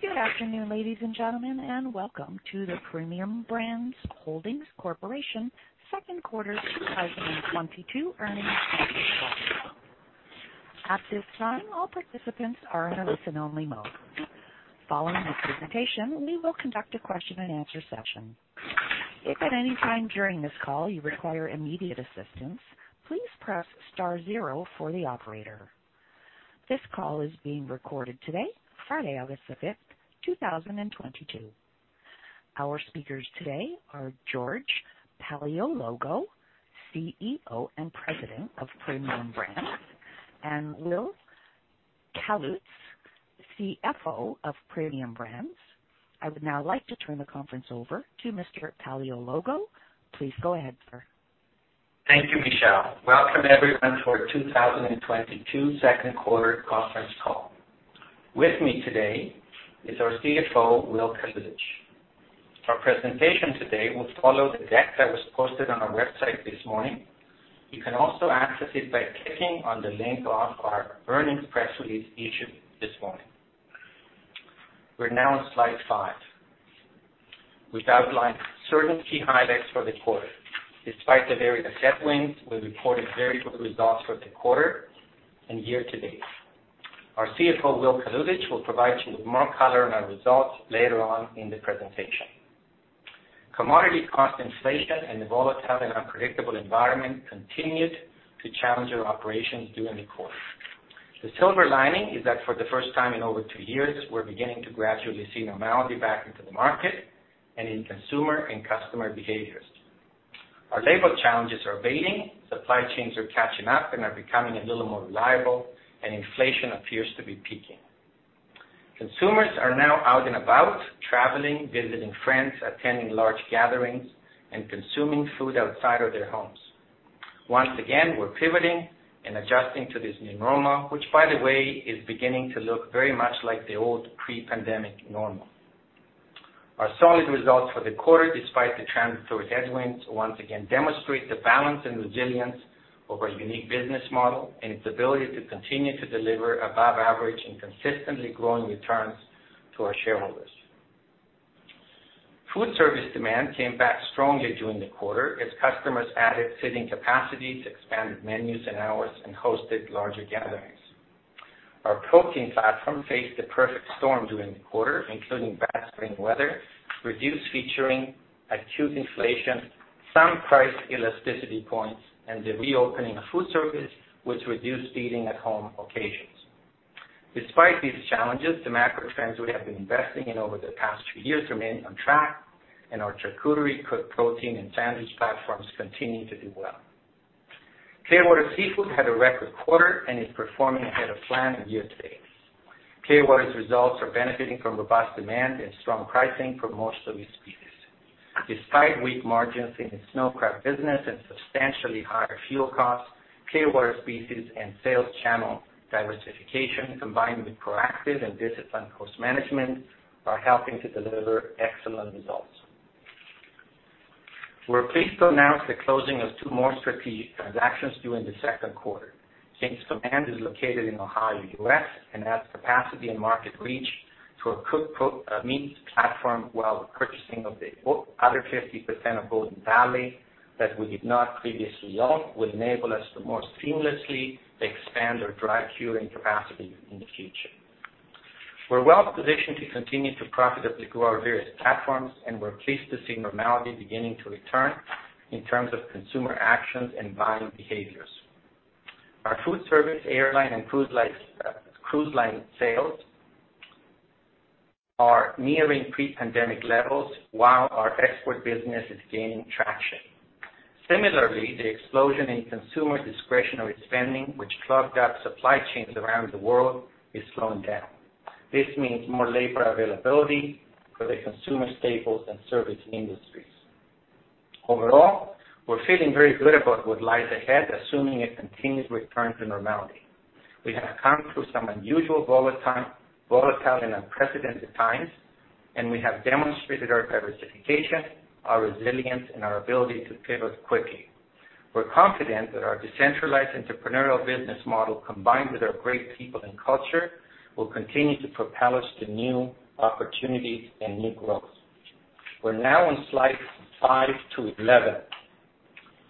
Good afternoon, ladies and gentlemen, and welcome to the Premium Brands Holdings Corporation 2nd quarter 2022 earnings conference call. At this time, all participants are in a listen only mode. Following the presentation, we will conduct a question and answer session. If at any time during this call you require immediate assistance, please press star zero for the operator. This call is being recorded today, Friday, August 5, 2022. Our speakers today are George Paleologou, CEO and President of Premium Brands, and Will Kalutycz, CFO of Premium Brands. I would now like to turn the conference over to Mr. Paleologou. Please go ahead, sir. Thank you, Michelle. Welcome everyone to our 2022 2nd quarter conference call. With me today is our CFO, Will Kalutycz. Our presentation today will follow the deck that was posted on our website this morning. You can also access it by clicking on the link on our earnings press release issued this morning. We're now on slide five, which outlines certain key highlights for the quarter. Despite the various headwinds, we reported very good results for the quarter and year to date. Our CFO, Will Kalutycz, will provide you with more color on our results later on in the presentation. Commodity cost inflation and the volatile and unpredictable environment continued to challenge our operations during the quarter. The silver lining is that for the first time in over two years, we're beginning to gradually see normality back into the market and in consumer and customer behaviors. Our labor challenges are abating. Supply chains are catching up and are becoming a little more reliable, and inflation appears to be peaking. Consumers are now out and about, traveling, visiting friends, attending large gatherings, and consuming food outside of their homes. Once again, we're pivoting and adjusting to this new normal, which, by the way, is beginning to look very much like the old pre-pandemic normal. Our solid results for the quarter, despite the transitory headwinds, once again demonstrate the balance and resilience of our unique business model and its ability to continue to deliver above average and consistently growing returns to our shareholders. Food service demand came back strongly during the quarter as customers added sitting capacity to expanded menus and hours and hosted larger gatherings. Our protein platform faced the perfect storm during the quarter, including bad spring weather, reduced featuring, acute inflation, some price elasticity points, and the reopening of food service, which reduced eating at home occasions. Despite these challenges, the macro trends we have been investing in over the past few years remain on track, and our charcuterie cooked protein and sandwich platforms continue to do well. Clearwater Seafoods had a record quarter and is performing ahead of plan in year to date. Clearwater Seafoods's results are benefiting from robust demand and strong pricing for most of its species. Despite weak margins in its snow crab business and substantially higher fuel costs, Clearwater Seafoods species and sales channel diversification, combined with proactive and disciplined cost management, are helping to deliver excellent results. We're pleased to announce the closing of two more strategic transactions during the 2nd quarter. King's Command is located in Ohio, U.S., and adds capacity and market reach to our cooked meats platform, while the purchasing of the other 50% of Golden Valley that we did not previously own will enable us to more seamlessly expand our dry curing capacity in the future. We're well positioned to continue to profitably grow our various platforms, and we're pleased to see normality beginning to return in terms of consumer actions and buying behaviors. Our food service, airline, and cruise line sales are nearing pre-pandemic levels, while our export business is gaining traction. Similarly, the explosion in consumer discretionary spending, which clogged up supply chains around the world, is slowing down. This means more labor availability for the consumer staples and service industries. Overall, we're feeling very good about what lies ahead, assuming a continued return to normality. We have come through some unusual volatile and unprecedented times, and we have demonstrated our diversification, our resilience, and our ability to pivot quickly. We're confident that our decentralized entrepreneurial business model, combined with our great people and culture, will continue to propel us to new opportunities and new growth. We're now on slides five to 11.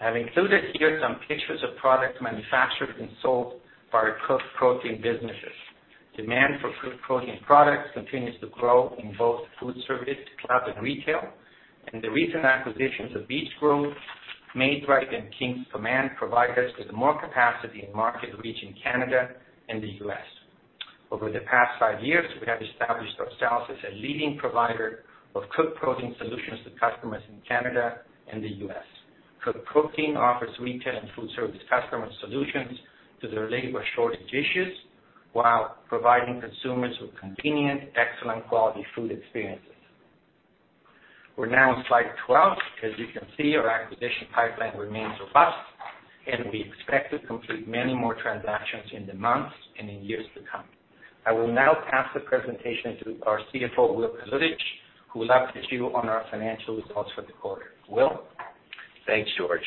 I've included here some pictures of products manufactured and sold by our cooked protein businesses. Demand for cooked protein products continues to grow in both food service, club, and retail. The recent acquisitions of Beach Group, Maid-Rite, and King's Command provide us with more capacity and market reach in Canada and the US. Over the past five years, we have established ourselves as a leading provider of cooked protein solutions to customers in Canada and the US. Cooked protein offers retail and food service customers solutions to their labor shortage issues while providing consumers with convenient, excellent quality food experiences. We're now on slide 12. As you can see, our acquisition pipeline remains robust and we expect to complete many more transactions in the months and in years to come. I will now pass the presentation to our CFO, Will Kalutycz, who will update you on our financial results for the quarter. Will? Thanks, George.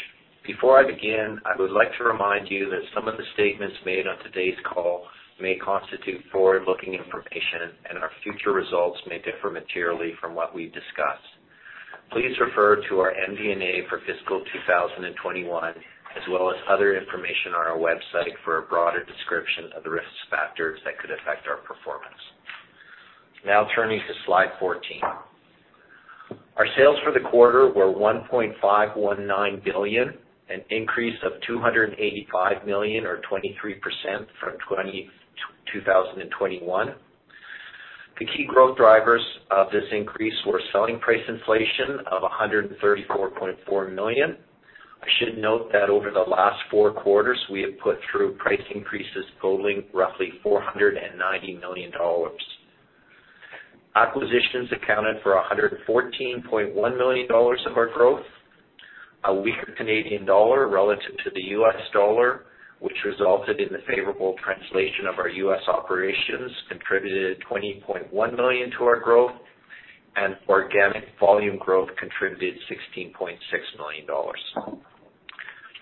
Before I begin, I would like to remind you that some of the statements made on today's call may constitute forward-looking information, and our future results may differ materially from what we discuss. Please refer to our MD&A for fiscal 2021, as well as other information on our website for a broader description of the risk factors that could affect our performance. Now turning to slide 14. Our sales for the quarter were 1.519 billion, an increase of 285 million or 23% from 2021. The key growth drivers of this increase were selling price inflation of 134.4 million. I should note that over the last four quarters, we have put through price increases totaling roughly 490 million dollars. Acquisitions accounted for 114.1 million dollars of our growth. A weaker Canadian dollar relative to the U.S. dollar, which resulted in the favorable translation of our U.S. operations, contributed 20.1 million to our growth. Organic volume growth contributed 16.6 million dollars.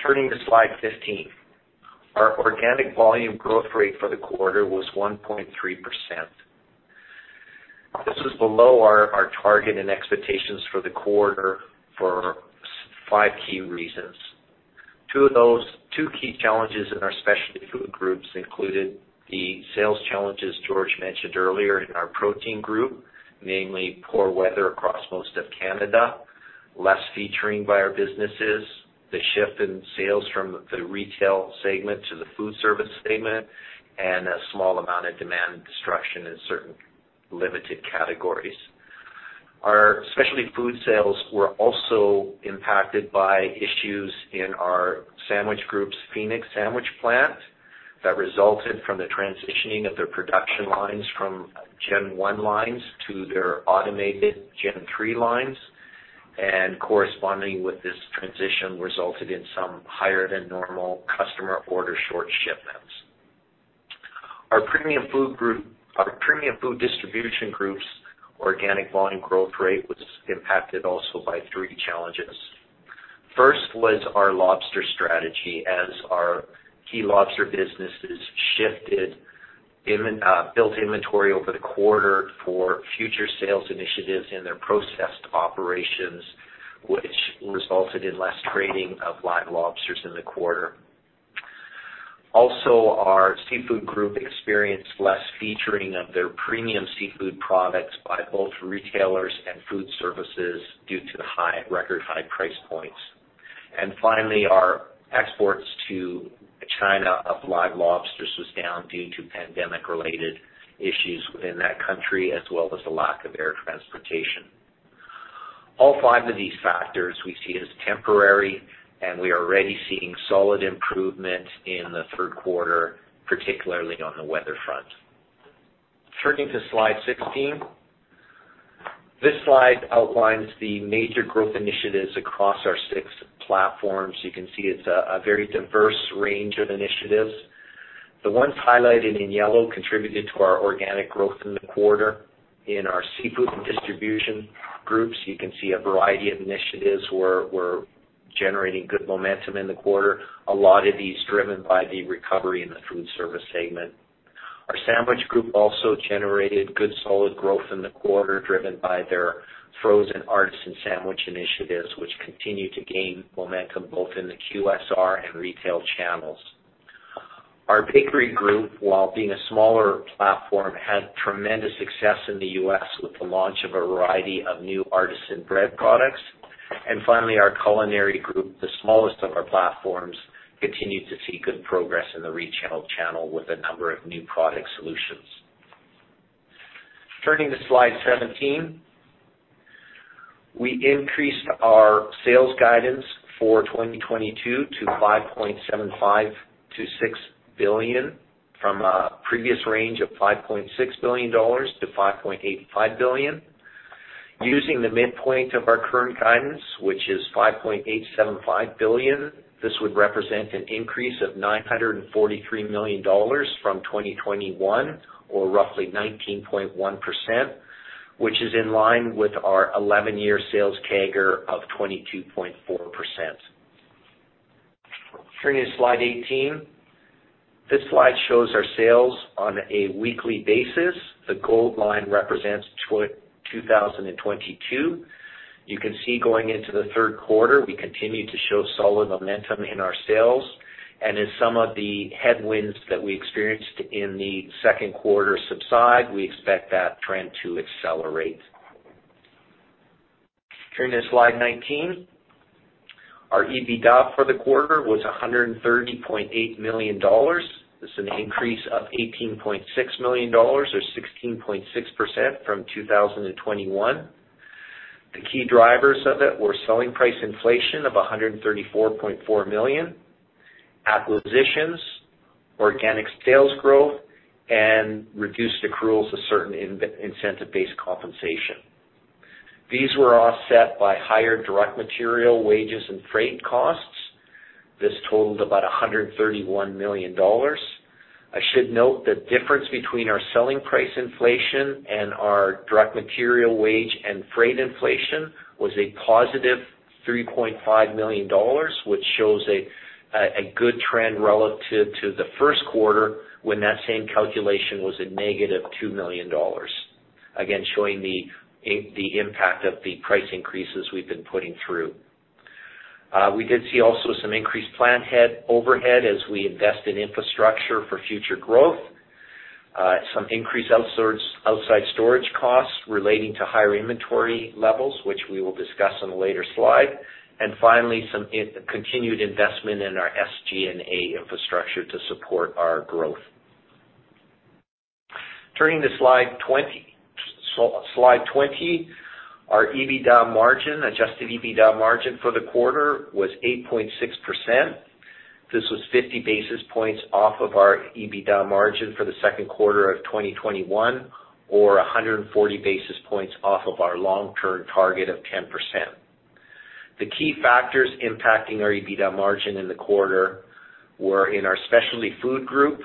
Turning to slide 15. Our organic volume growth rate for the quarter was 1.3%. This is below our target and expectations for the quarter for five key reasons. Two of those key challenges in our specialty food groups included the sales challenges George mentioned earlier in our protein group, namely poor weather across most of Canada, less featuring by our businesses, the shift in sales from the retail segment to the food service segment, and a small amount of demand destruction in certain limited categories. Our Specialty Foods sales were also impacted by issues in our sandwich group's Phoenix sandwich plant that resulted from the transitioning of their production lines from Gen 1 lines to their automated Gen 3 lines, and corresponding with this transition resulted in some higher than normal customer order short shipments. Our Premium Food Distribution group's organic volume growth rate was impacted also by three challenges. First was our lobster strategy as our key lobster businesses built inventory over the quarter for future sales initiatives in their processed operations, which resulted in less trading of live lobsters in the quarter. Our seafood group experienced less featuring of their premium seafood products by both retailers and food services due to the high, record high price points. Finally, our exports to China of live lobsters was down due to pandemic-related issues within that country, as well as the lack of air transportation. All five of these factors we see as temporary, and we are already seeing solid improvement in the 3rd quarter, particularly on the weather front. Turning to slide 16. This slide outlines the major growth initiatives across our six platforms. You can see it's a very diverse range of initiatives. The ones highlighted in yellow contributed to our organic growth in the quarter. In our seafood and distribution groups, you can see a variety of initiatives were generating good momentum in the quarter, a lot of these driven by the recovery in the food service segment. Our sandwich group also generated good, solid growth in the quarter, driven by their frozen artisan sandwich initiatives, which continue to gain momentum both in the QSR and retail channels. Our bakery group, while being a smaller platform, had tremendous success in the US with the launch of a variety of new artisan bread products. Finally, our culinary group, the smallest of our platforms, continued to see good progress in the retail channel with a number of new product solutions. Turning to slide 17. We increased our sales guidance for 2022 to 5.75 billion-6 billion, from a previous range of 5.6 billion dollars to 5.85 billion. Using the midpoint of our current guidance, which is 5.875 billion, this would represent an increase of 943 million dollars from 2021 or roughly 19.1%, which is in line with our 11-year sales CAGR of 22.4%. Turning to slide 18. This slide shows our sales on a weekly basis. The gold line represents twenty 2022. You can see going into the 3rd quarter, we continue to show solid momentum in our sales. As some of the headwinds that we experienced in the 2nd quarter subside, we expect that trend to accelerate. Turning to slide 19. Our EBITDA for the quarter was 130.8 million dollars. It's an increase of 18.6 million dollars or 16.6% from 2021. The key drivers of it were selling price inflation of 134.4 million, acquisitions, organic sales growth, and reduced accruals of certain incentive-based compensation. These were offset by higher direct material wages and freight costs. This totaled about 131 million dollars. I should note the difference between our selling price inflation and our direct material wage and freight inflation was a positive 3.5 million dollars, which shows a good trend relative to the 1st quarter when that same calculation was a negative 2 million dollars. Again, showing the impact of the price increases we've been putting through. We did see also some increased plant overhead as we invest in infrastructure for future growth, some increased outside storage costs relating to higher inventory levels, which we will discuss on a later slide, and finally, some continued investment in our SG&A infrastructure to support our growth. Turning to slide 20. Our EBITDA margin, adjusted EBITDA margin for the quarter was 8.6%. This was 50 basis points off of our EBITDA margin for the 2nd quarter of 2021 or 140 basis points off of our long-term target of 10%. The key factors impacting our EBITDA margin in the quarter were in our Specialty Foods group,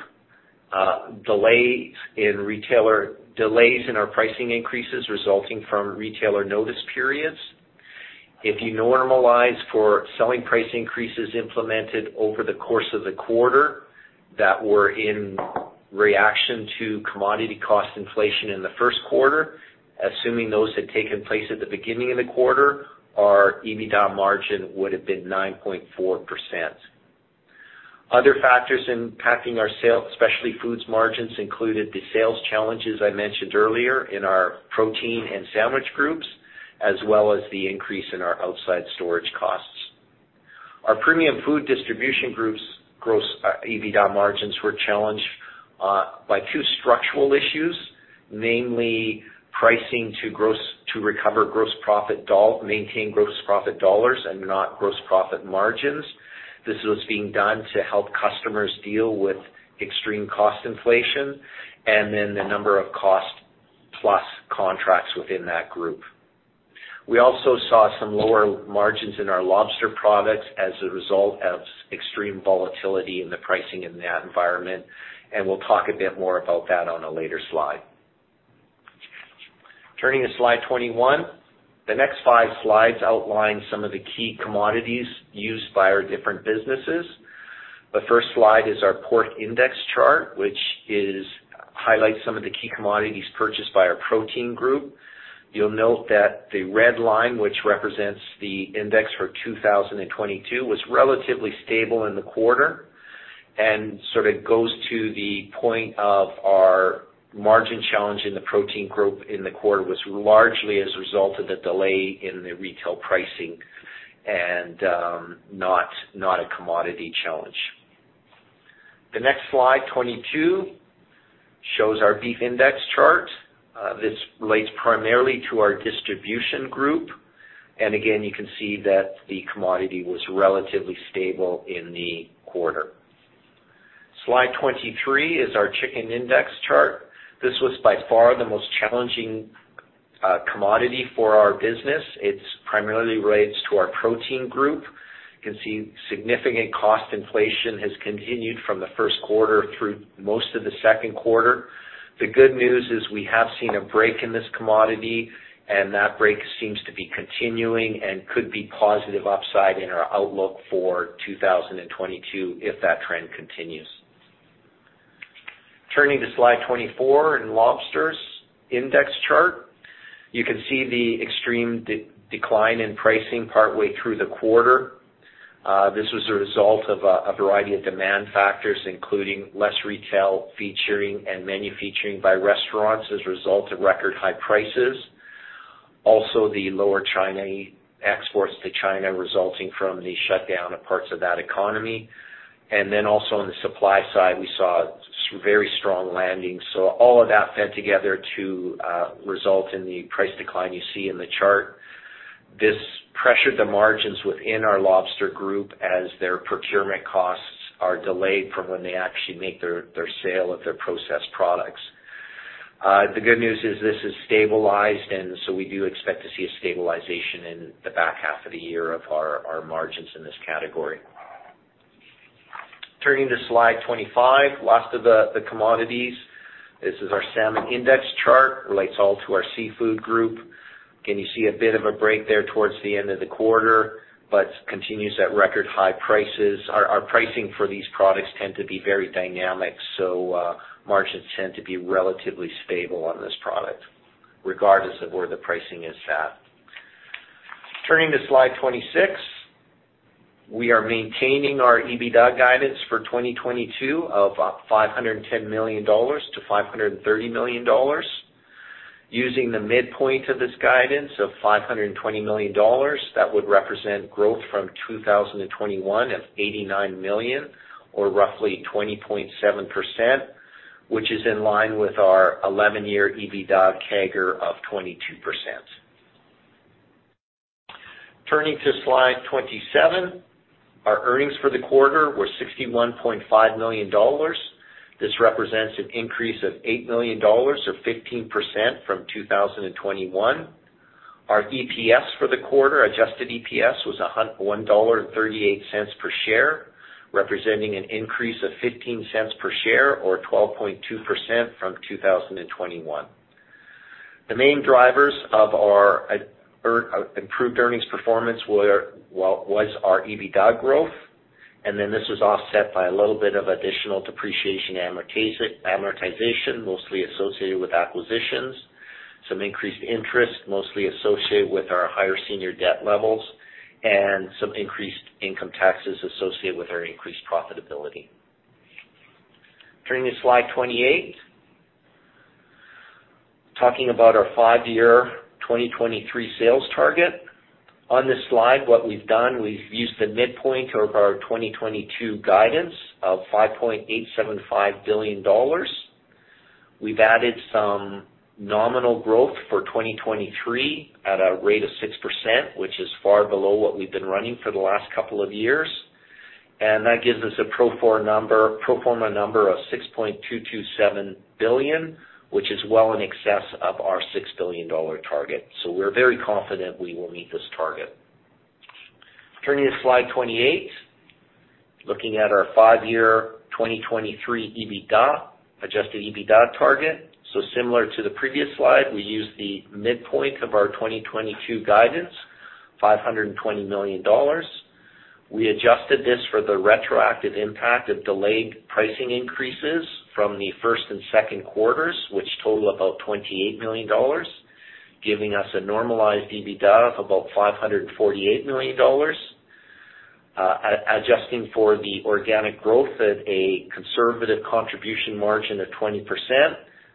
delays in our pricing increases resulting from retailer notice periods. If you normalize for selling price increases implemented over the course of the quarter that were in reaction to commodity cost inflation in the 1st quarter, assuming those had taken place at the beginning of the quarter, our EBITDA margin would have been 9.4%. Other factors impacting our sales, especially foods margins, included the sales challenges I mentioned earlier in our protein and sandwich groups, as well as the increase in our outside storage costs. Our Premium Food Distribution group's gross EBITDA margins were challenged by two structural issues, mainly pricing to recover gross profit dollars, maintain gross profit dollars and not gross profit margins. This was being done to help customers deal with extreme cost inflation and then the number of cost plus contracts within that group. We also saw some lower margins in our lobster products as a result of extreme volatility in the pricing in that environment, and we'll talk a bit more about that on a later slide. Turning to slide 21. The next five slides outline some of the key commodities used by our different businesses. The first slide is our pork index chart, which highlights some of the key commodities purchased by our protein group. You'll note that the red line, which represents the index for 2022, was relatively stable in the quarter and sort of goes to the point of our margin challenge in the protein group in the quarter was largely as a result of the delay in the retail pricing and, not a commodity challenge. The next slide, 22, shows our beef index chart. This relates primarily to our distribution group. You can see that the commodity was relatively stable in the quarter. Slide 23 is our chicken index chart. This was by far the most challenging commodity for our business. It's primarily relates to our protein group. You can see significant cost inflation has continued from the 1st quarter through most of the 2nd quarter. The good news is we have seen a break in this commodity, and that break seems to be continuing and could be positive upside in our outlook for 2022 if that trend continues. Turning to slide 24 in lobsters index chart. You can see the extreme decline in pricing partway through the quarter. This was a result of a variety of demand factors, including less retail featuring and menu featuring by restaurants as a result of record high prices. Lower exports to China resulting from the shutdown of parts of that economy. On the supply side, we saw very strong landings. All of that came together to result in the price decline you see in the chart. This pressured the margins within our lobster group as their procurement costs are delayed from when they actually make their sale of their processed products. The good news is this is stabilized. We do expect to see a stabilization in the back half of the year of our margins in this category. Turning to slide 25, last of the commodities. This is our salmon index chart, relates all to our seafood group. Again, you see a bit of a break there towards the end of the quarter, but continues at record high prices. Our pricing for these products tend to be very dynamic, so margins tend to be relatively stable on this product regardless of where the pricing is at. Turning to slide 26. We are maintaining our EBITDA guidance for 2022 of 510 million-530 million dollars. Using the midpoint of this guidance of 520 million dollars, that would represent growth from 2021 of 89 million or roughly 20.7%, which is in line with our 11-year EBITDA CAGR of 22%. Turning to slide 27. Our earnings for the quarter were 61.5 million dollars. This represents an increase of 8 million dollars or 15% from 2021. Our EPS for the quarter, adjusted EPS was 1.38 dollar per share, representing an increase of 0.15 per share or 12.2% from 2021. The main drivers of our improved earnings performance were well was our EBITDA growth. This was offset by a little bit of additional depreciation amortization, mostly associated with acquisitions, some increased interest, mostly associated with our higher senior debt levels, and some increased income taxes associated with our increased profitability. Turning to slide 28. Talking about our 5-year 2023 sales target. On this slide, what we've done, we've used the midpoint of our 2022 guidance of 5.875 billion dollars. We've added some nominal growth for 2023 at a rate of 6%, which is far below what we've been running for the last couple of years. That gives us a pro forma number of 6.227 billion, which is well in excess of our 6 billion dollar target. We're very confident we will meet this target. Turning to slide 28. Looking at our five-year 2023 EBITDA, adjusted EBITDA target. Similar to the previous slide, we used the midpoint of our 2022 guidance, 520 million dollars. We adjusted this for the retroactive impact of delayed pricing increases from the first and 2nd quarters, which total about 28 million dollars, giving us a normalized EBITDA of about 548 million dollars. Adjusting for the organic growth at a conservative contribution margin of 20%,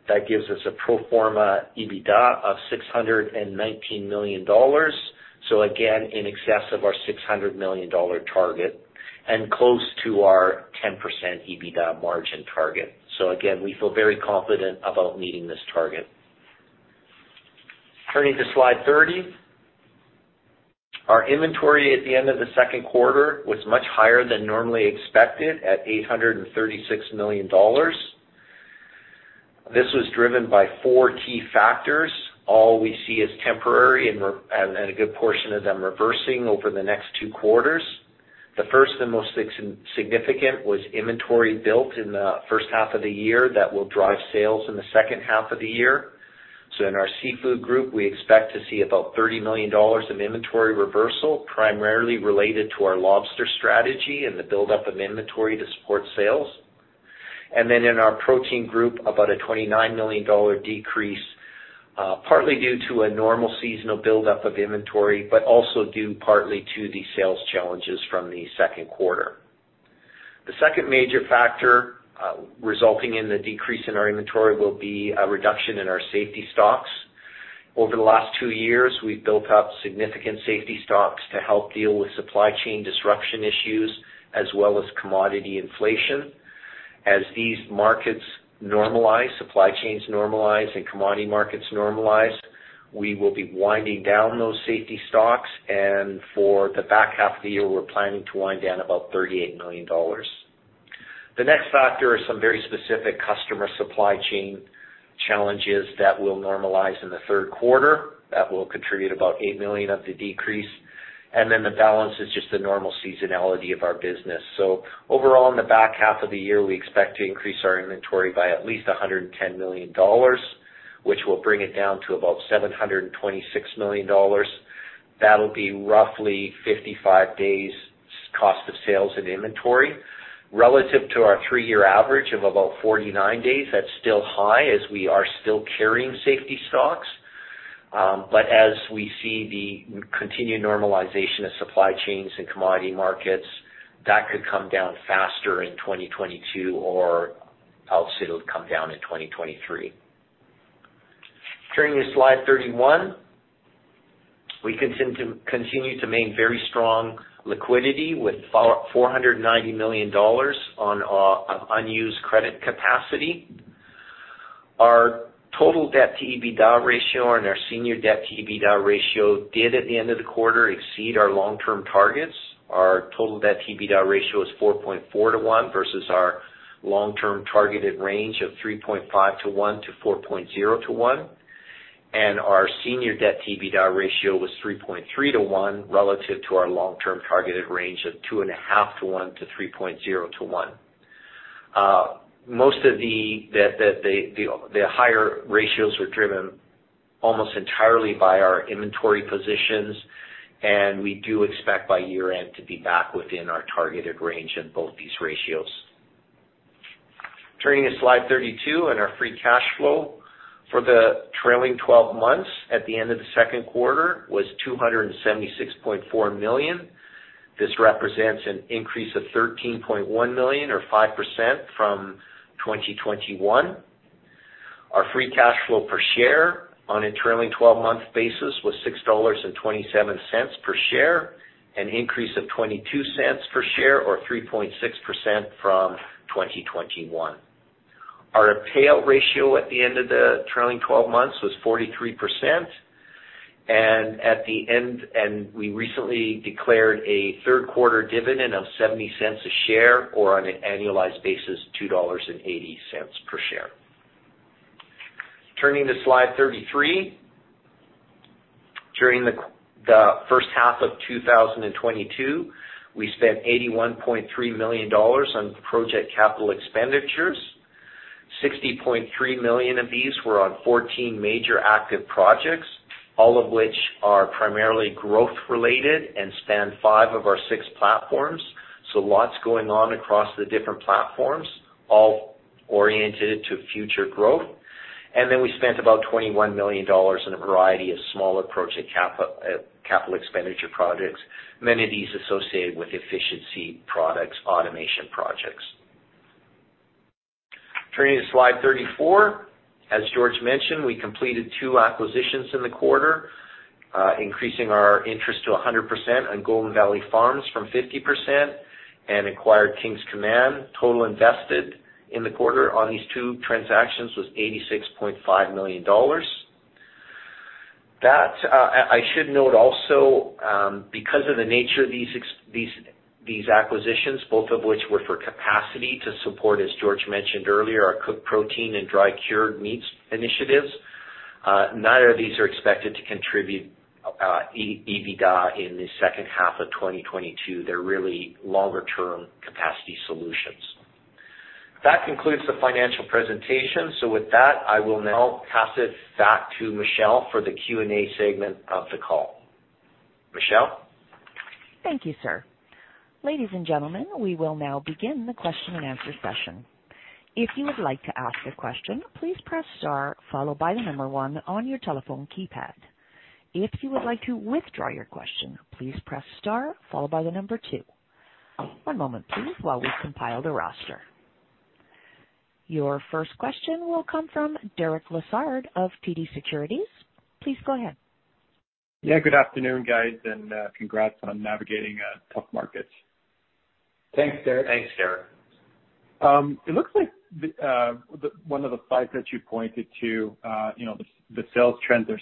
that gives us a pro forma EBITDA of 619 million dollars. Again, in excess of our 600 million dollar target and close to our 10% EBITDA margin target. Again, we feel very confident about meeting this target. Turning to slide 30. Our inventory at the end of the 2nd quarter was much higher than normally expected at 836 million dollars. This was driven by four key factors. All we see as temporary and a good portion of them reversing over the next two quarters. The first and most significant was inventory built in the first half of the year that will drive sales in the second half of the year. In our seafood group, we expect to see about 30 million dollars of inventory reversal, primarily related to our lobster strategy and the buildup of inventory to support sales. In our protein group, about a 29 million dollar decrease, partly due to a normal seasonal buildup of inventory, but also due partly to the sales challenges from the 2nd quarter. The second major factor resulting in the decrease in our inventory will be a reduction in our safety stocks. Over the last two years, we've built up significant safety stocks to help deal with supply chain disruption issues as well as commodity inflation. As these markets normalize, supply chains normalize, and commodity markets normalize, we will be winding down those safety stocks. For the back half of the year, we're planning to wind down about 38 million dollars. The next factor are some very specific customer supply chain challenges that will normalize in the 3rd quarter. That will contribute about 8 million of the decrease. Then the balance is just the normal seasonality of our business. Overall, in the back half of the year, we expect to increase our inventory by at least 110 million dollars, which will bring it down to about 726 million dollars. That'll be roughly 55 days cost of sales and inventory. Relative to our three-year average of about 49 days, that's still high as we are still carrying safety stocks. As we see the continued normalization of supply chains and commodity markets, that could come down faster in 2022 or else it'll come down in 2023. Turning to slide 31. We continue to maintain very strong liquidity with 490 million dollars on unused credit capacity. Our total debt to EBITDA ratio and our senior debt to EBITDA ratio did at the end of the quarter exceed our long-term targets. Our total debt to EBITDA ratio is 4.4-to-1 versus our long-term targeted range of 3.5-to-1 to 4.0-to-1. Our senior debt to EBITDA ratio was 3.3-to-1 relative to our long-term targeted range of 2.5-to-1 to 3.0-to-1. Most of the higher ratios were driven almost entirely by our inventory positions, and we do expect by year-end to be back within our targeted range in both these ratios. Turning to slide 32 on our free cash flow. For the trailing twelve months at the end of the 2nd quarter was 276.4 million. This represents an increase of 13.1 million or 5% from 2021. Our free cash flow per share on a trailing twelve-month basis was 6.27 dollars per share, an increase of 0.22 per share or 3.6% from 2021. Our payout ratio at the end of the trailing twelve months was 43%, and we recently declared a 3rd quarter dividend of 0.70 a share, or on an annualized basis, 2.80 dollars per share. Turning to slide 33. During the first half of 2022, we spent 81.3 million dollars on project capital expenditures. 60.3 million of these were on 14 major active projects, all of which are primarily growth related and span five of our six platforms. Lots going on across the different platforms, all oriented to future growth. We spent about 21 million dollars in a variety of smaller project capital expenditure projects, many of these associated with efficiency products, automation projects. Turning to slide 34. As George mentioned, we completed two acquisitions in the quarter, increasing our interest to 100% on Golden Valley Farms from 50% and acquired King's Command. Total invested in the quarter on these two transactions was 86.5 million dollars. I should note also, because of the nature of these acquisitions, both of which were for capacity to support, as George mentioned earlier, our cooked protein and dry cured meats initiatives, neither of these are expected to contribute EBITDA in the second half of 2022. They're really longer term capacity solutions. That concludes the financial presentation. With that, I will now pass it back to Michelle for the Q&A segment of the call. Michelle? Thank you, sir. Ladies and gentlemen, we will now begin the question-and-answer session. If you would like to ask a question, please press star followed by the number one on your telephone keypad. If you would like to withdraw your question, please press star followed by the number two. One moment, please, while we compile the roster. Your first question will come from Derek Lessard of TD Securities. Please go ahead. Yeah, good afternoon, guys, and congrats on navigating tough markets. Thanks, Derek. Thanks, Derek. It looks like one of the slides that you pointed to, you know, the sales trends are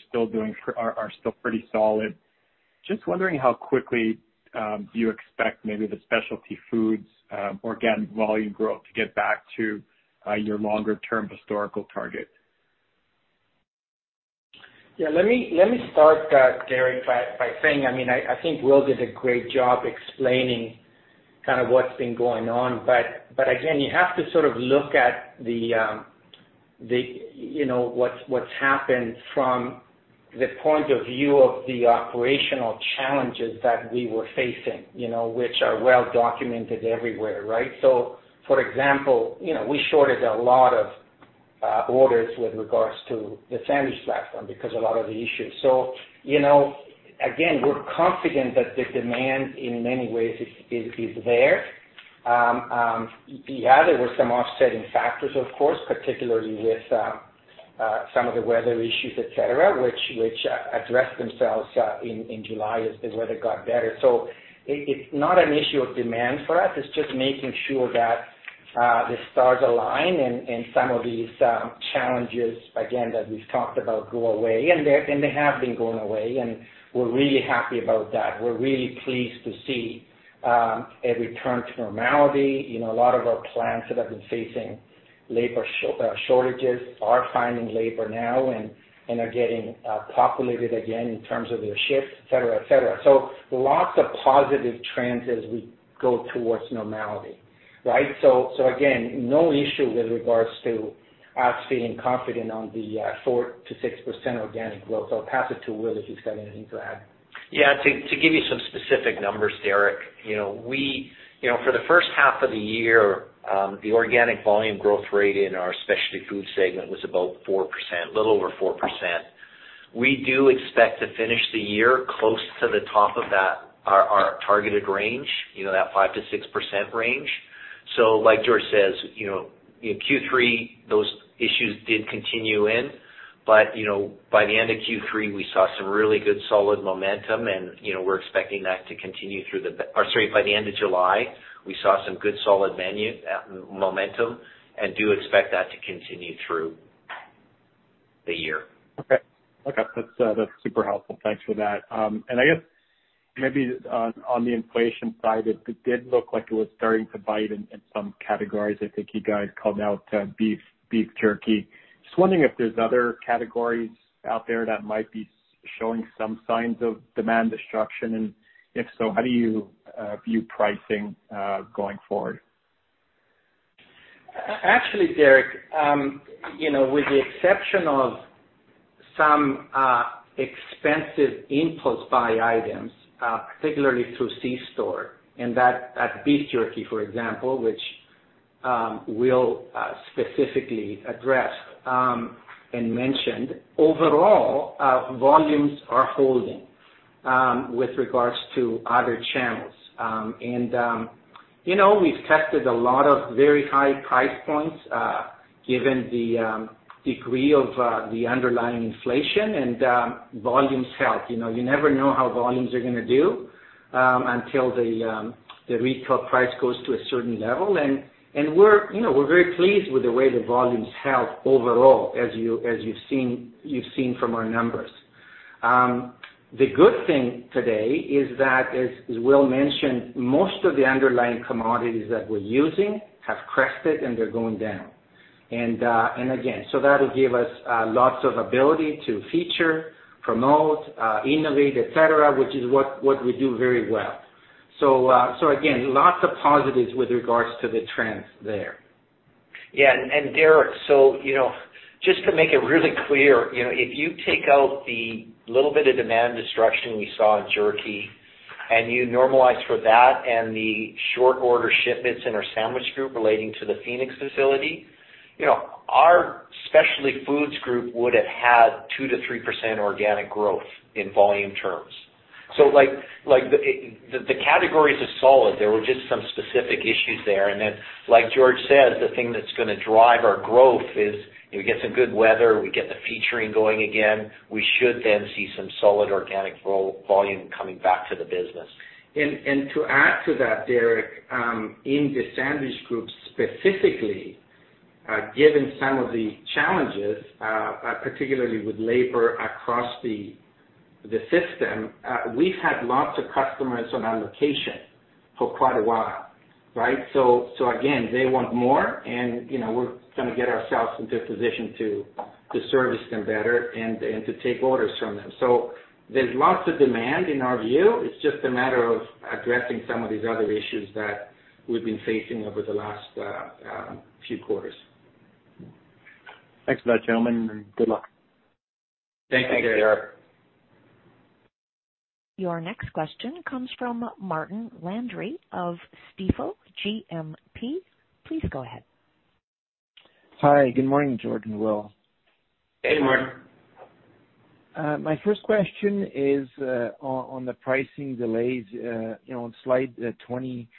still pretty solid. Just wondering how quickly you expect maybe the Specialty Foods organic volume growth to get back to your longer term historical target. Yeah, let me start, Derek, by saying, I mean, I think Will did a great job explaining kind of what's been going on. Again, you have to sort of look at the, you know, what's happened from the point of view of the operational challenges that we were facing, you know, which are well documented everywhere, right? For example, you know, we shorted a lot of orders with regards to the sandwich platform because a lot of the issues. Again, we're confident that the demand in many ways is there. Yeah, there were some offsetting factors of course, particularly with some of the weather issues, et cetera, which addressed themselves in July as the weather got better. It's not an issue of demand for us, it's just making sure that the stars align and some of these challenges again that we've talked about go away. They have been going away, and we're really happy about that. We're really pleased to see a return to normality. You know, a lot of our plants that have been facing labor shortages are finding labor now and are getting populated again in terms of their shifts, et cetera. Lots of positive trends as we go towards normality, right? Again, no issue with regards to us feeling confident on the 4%-6% organic growth. I'll pass it to Will if he's got anything to add. Yeah. To give you some specific numbers, Derek, you know, we, you know, for the first half of the year, the organic volume growth rate in our Specialty Foods segment was about 4%, a little over 4%. We do expect to finish the year close to the top of that, our targeted range, you know, that 5%-6% range. Like George says, you know, in Q3, those issues did continue in. You know, by the end of Q3, we saw some really good solid momentum and, you know, we're expecting that to continue by the end of July, we saw some good solid momentum, and we do expect that to continue through the year. Okay. That's super helpful. Thanks for that. I guess maybe on the inflation side, it did look like it was starting to bite in some categories. I think you guys called out beef jerky. Just wondering if there's other categories out there that might be showing some signs of demand destruction, and if so, how do you view pricing going forward? Actually, Derek, you know, with the exception of some expensive impulse buy items, particularly through C-store and that beef jerky, for example, which Will specifically addressed and mentioned, overall, volumes are holding with regards to other channels. You know, we've tested a lot of very high price points, given the degree of the underlying inflation and volumes health. You know, you never know how volumes are gonna do until the retail price goes to a certain level. We're very pleased with the way the volumes held overall as you've seen from our numbers. The good thing today is that, as Will mentioned, most of the underlying commodities that we're using have crested, and they're going down. Again, that'll give us lots of ability to feature, promote, innovate, et cetera, which is what we do very well. Again, lots of positives with regards to the trends there. Yeah. Derek, you know, just to make it really clear, you know, if you take out the little bit of demand destruction we saw in jerky and you normalize for that and the short order shipments in our sandwich group relating to the Phoenix facility, you know, our Specialty Foods group would have had 2%-3% organic growth in volume terms. Like the categories are solid. There were just some specific issues there. Then, like George says, the thing that's gonna drive our growth is if we get some good weather, we get the featuring going again, we should then see some solid organic volume coming back to the business. To add to that, Derek, in the sandwich group specifically, given some of the challenges, particularly with labor across the system, we've had lots of customers on allocation for quite a while, right? Again, they want more, and you know, we're gonna get ourselves into a position to service them better and to take orders from them. There's lots of demand in our view. It's just a matter of addressing some of these other issues that we've been facing over the last few quarters. Thanks for that, gentlemen, and good luck. Thank you, Derek. Thanks, Derek. Your next question comes from Martin Landry of Stifel GMP. Please go ahead. Hi, good morning, George and Will. Hey, Martin. My first question is on the pricing delays. You know, on slide 20,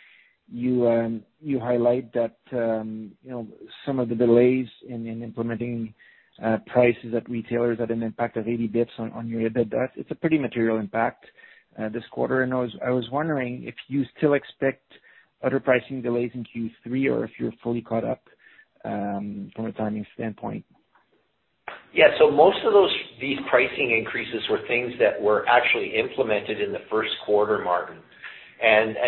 you highlight that some of the delays in implementing prices at retailers had an impact of 80 basis points on your EBITDA. It's a pretty material impact this quarter. I was wondering if you still expect other pricing delays in Q3 or if you're fully caught up from a timing standpoint? Yeah. Most of those—these pricing increases were things that were actually implemented in the 1st quarter, Martin.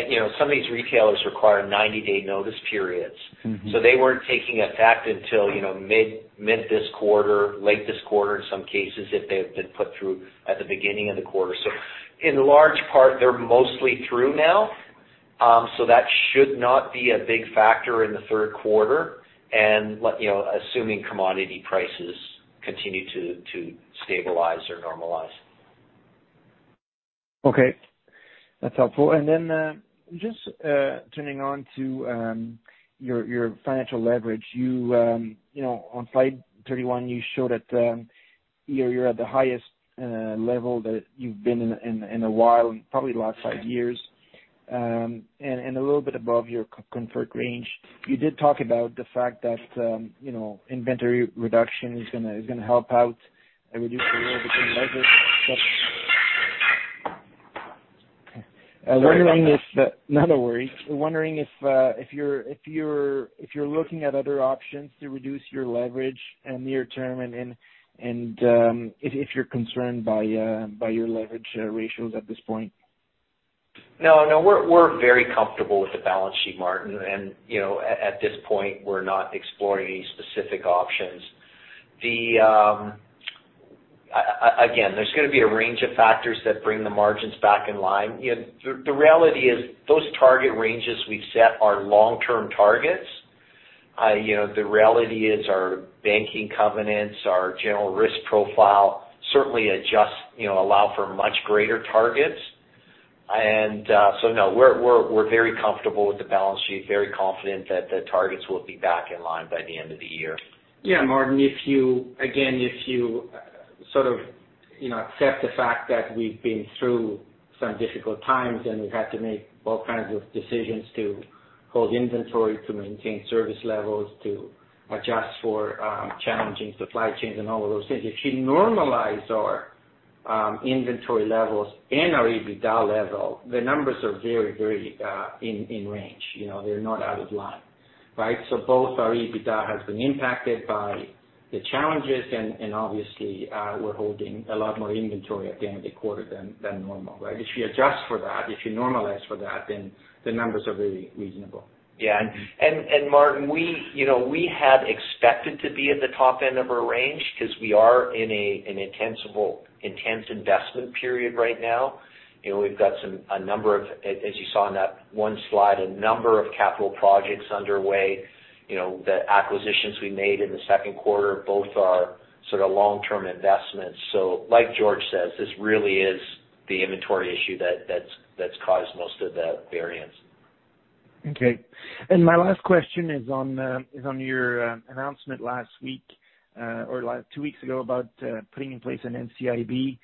You know, some of these retailers require 90-day notice periods. Mm-hmm. They weren't taking effect until, you know, mid this quarter, late this quarter in some cases if they have been put through at the beginning of the quarter. In large part, they're mostly through now. That should not be a big factor in the 3rd quarter and, you know, assuming commodity prices continue to stabilize or normalize. Okay. That's helpful. Just turning to your financial leverage, you know, on slide 31, you showed that, you know, you're at the highest level that you've been in a while, in probably the last five years, and a little bit above your comfort range. You did talk about the fact that, you know, inventory reduction is gonna help out and reduce your overall leverage. I'm wondering if- Sorry about that. Not a worry. I'm wondering if you're looking at other options to reduce your leverage in near term and if you're concerned by your leverage ratios at this point. No, we're very comfortable with the balance sheet, Martin. You know, at this point, we're not exploring any specific options. Again, there's gonna be a range of factors that bring the margins back in line. You know, the reality is those target ranges we've set are long-term targets. You know, the reality is our banking covenants, our general risk profile certainly adjust, you know, allow for much greater targets. No, we're very comfortable with the balance sheet, very confident that the targets will be back in line by the end of the year. Yeah, Martin, if you again sort of, you know, accept the fact that we've been through some difficult times and we've had to make all kinds of decisions to hold inventory, to maintain service levels, to adjust for challenging supply chains and all of those things. If you normalize our inventory levels and our EBITDA level, the numbers are very in range. You know, they're not out of line, right? Both our EBITDA has been impacted by the challenges and obviously we're holding a lot more inventory at the end of the quarter than normal, right? If you adjust for that, if you normalize for that, then the numbers are very reasonable. Yeah. Martin, you know, we had expected to be at the top end of our range 'cause we are in an intense investment period right now. You know, we've got some, a number of, as you saw in that one slide, a number of capital projects underway. You know, the acquisitions we made in the 2nd quarter both are sort of long-term investments. Like George says, this really is the inventory issue that's caused most of the variance. Okay. My last question is on your announcement last week or last two weeks ago about putting in place an NCIB.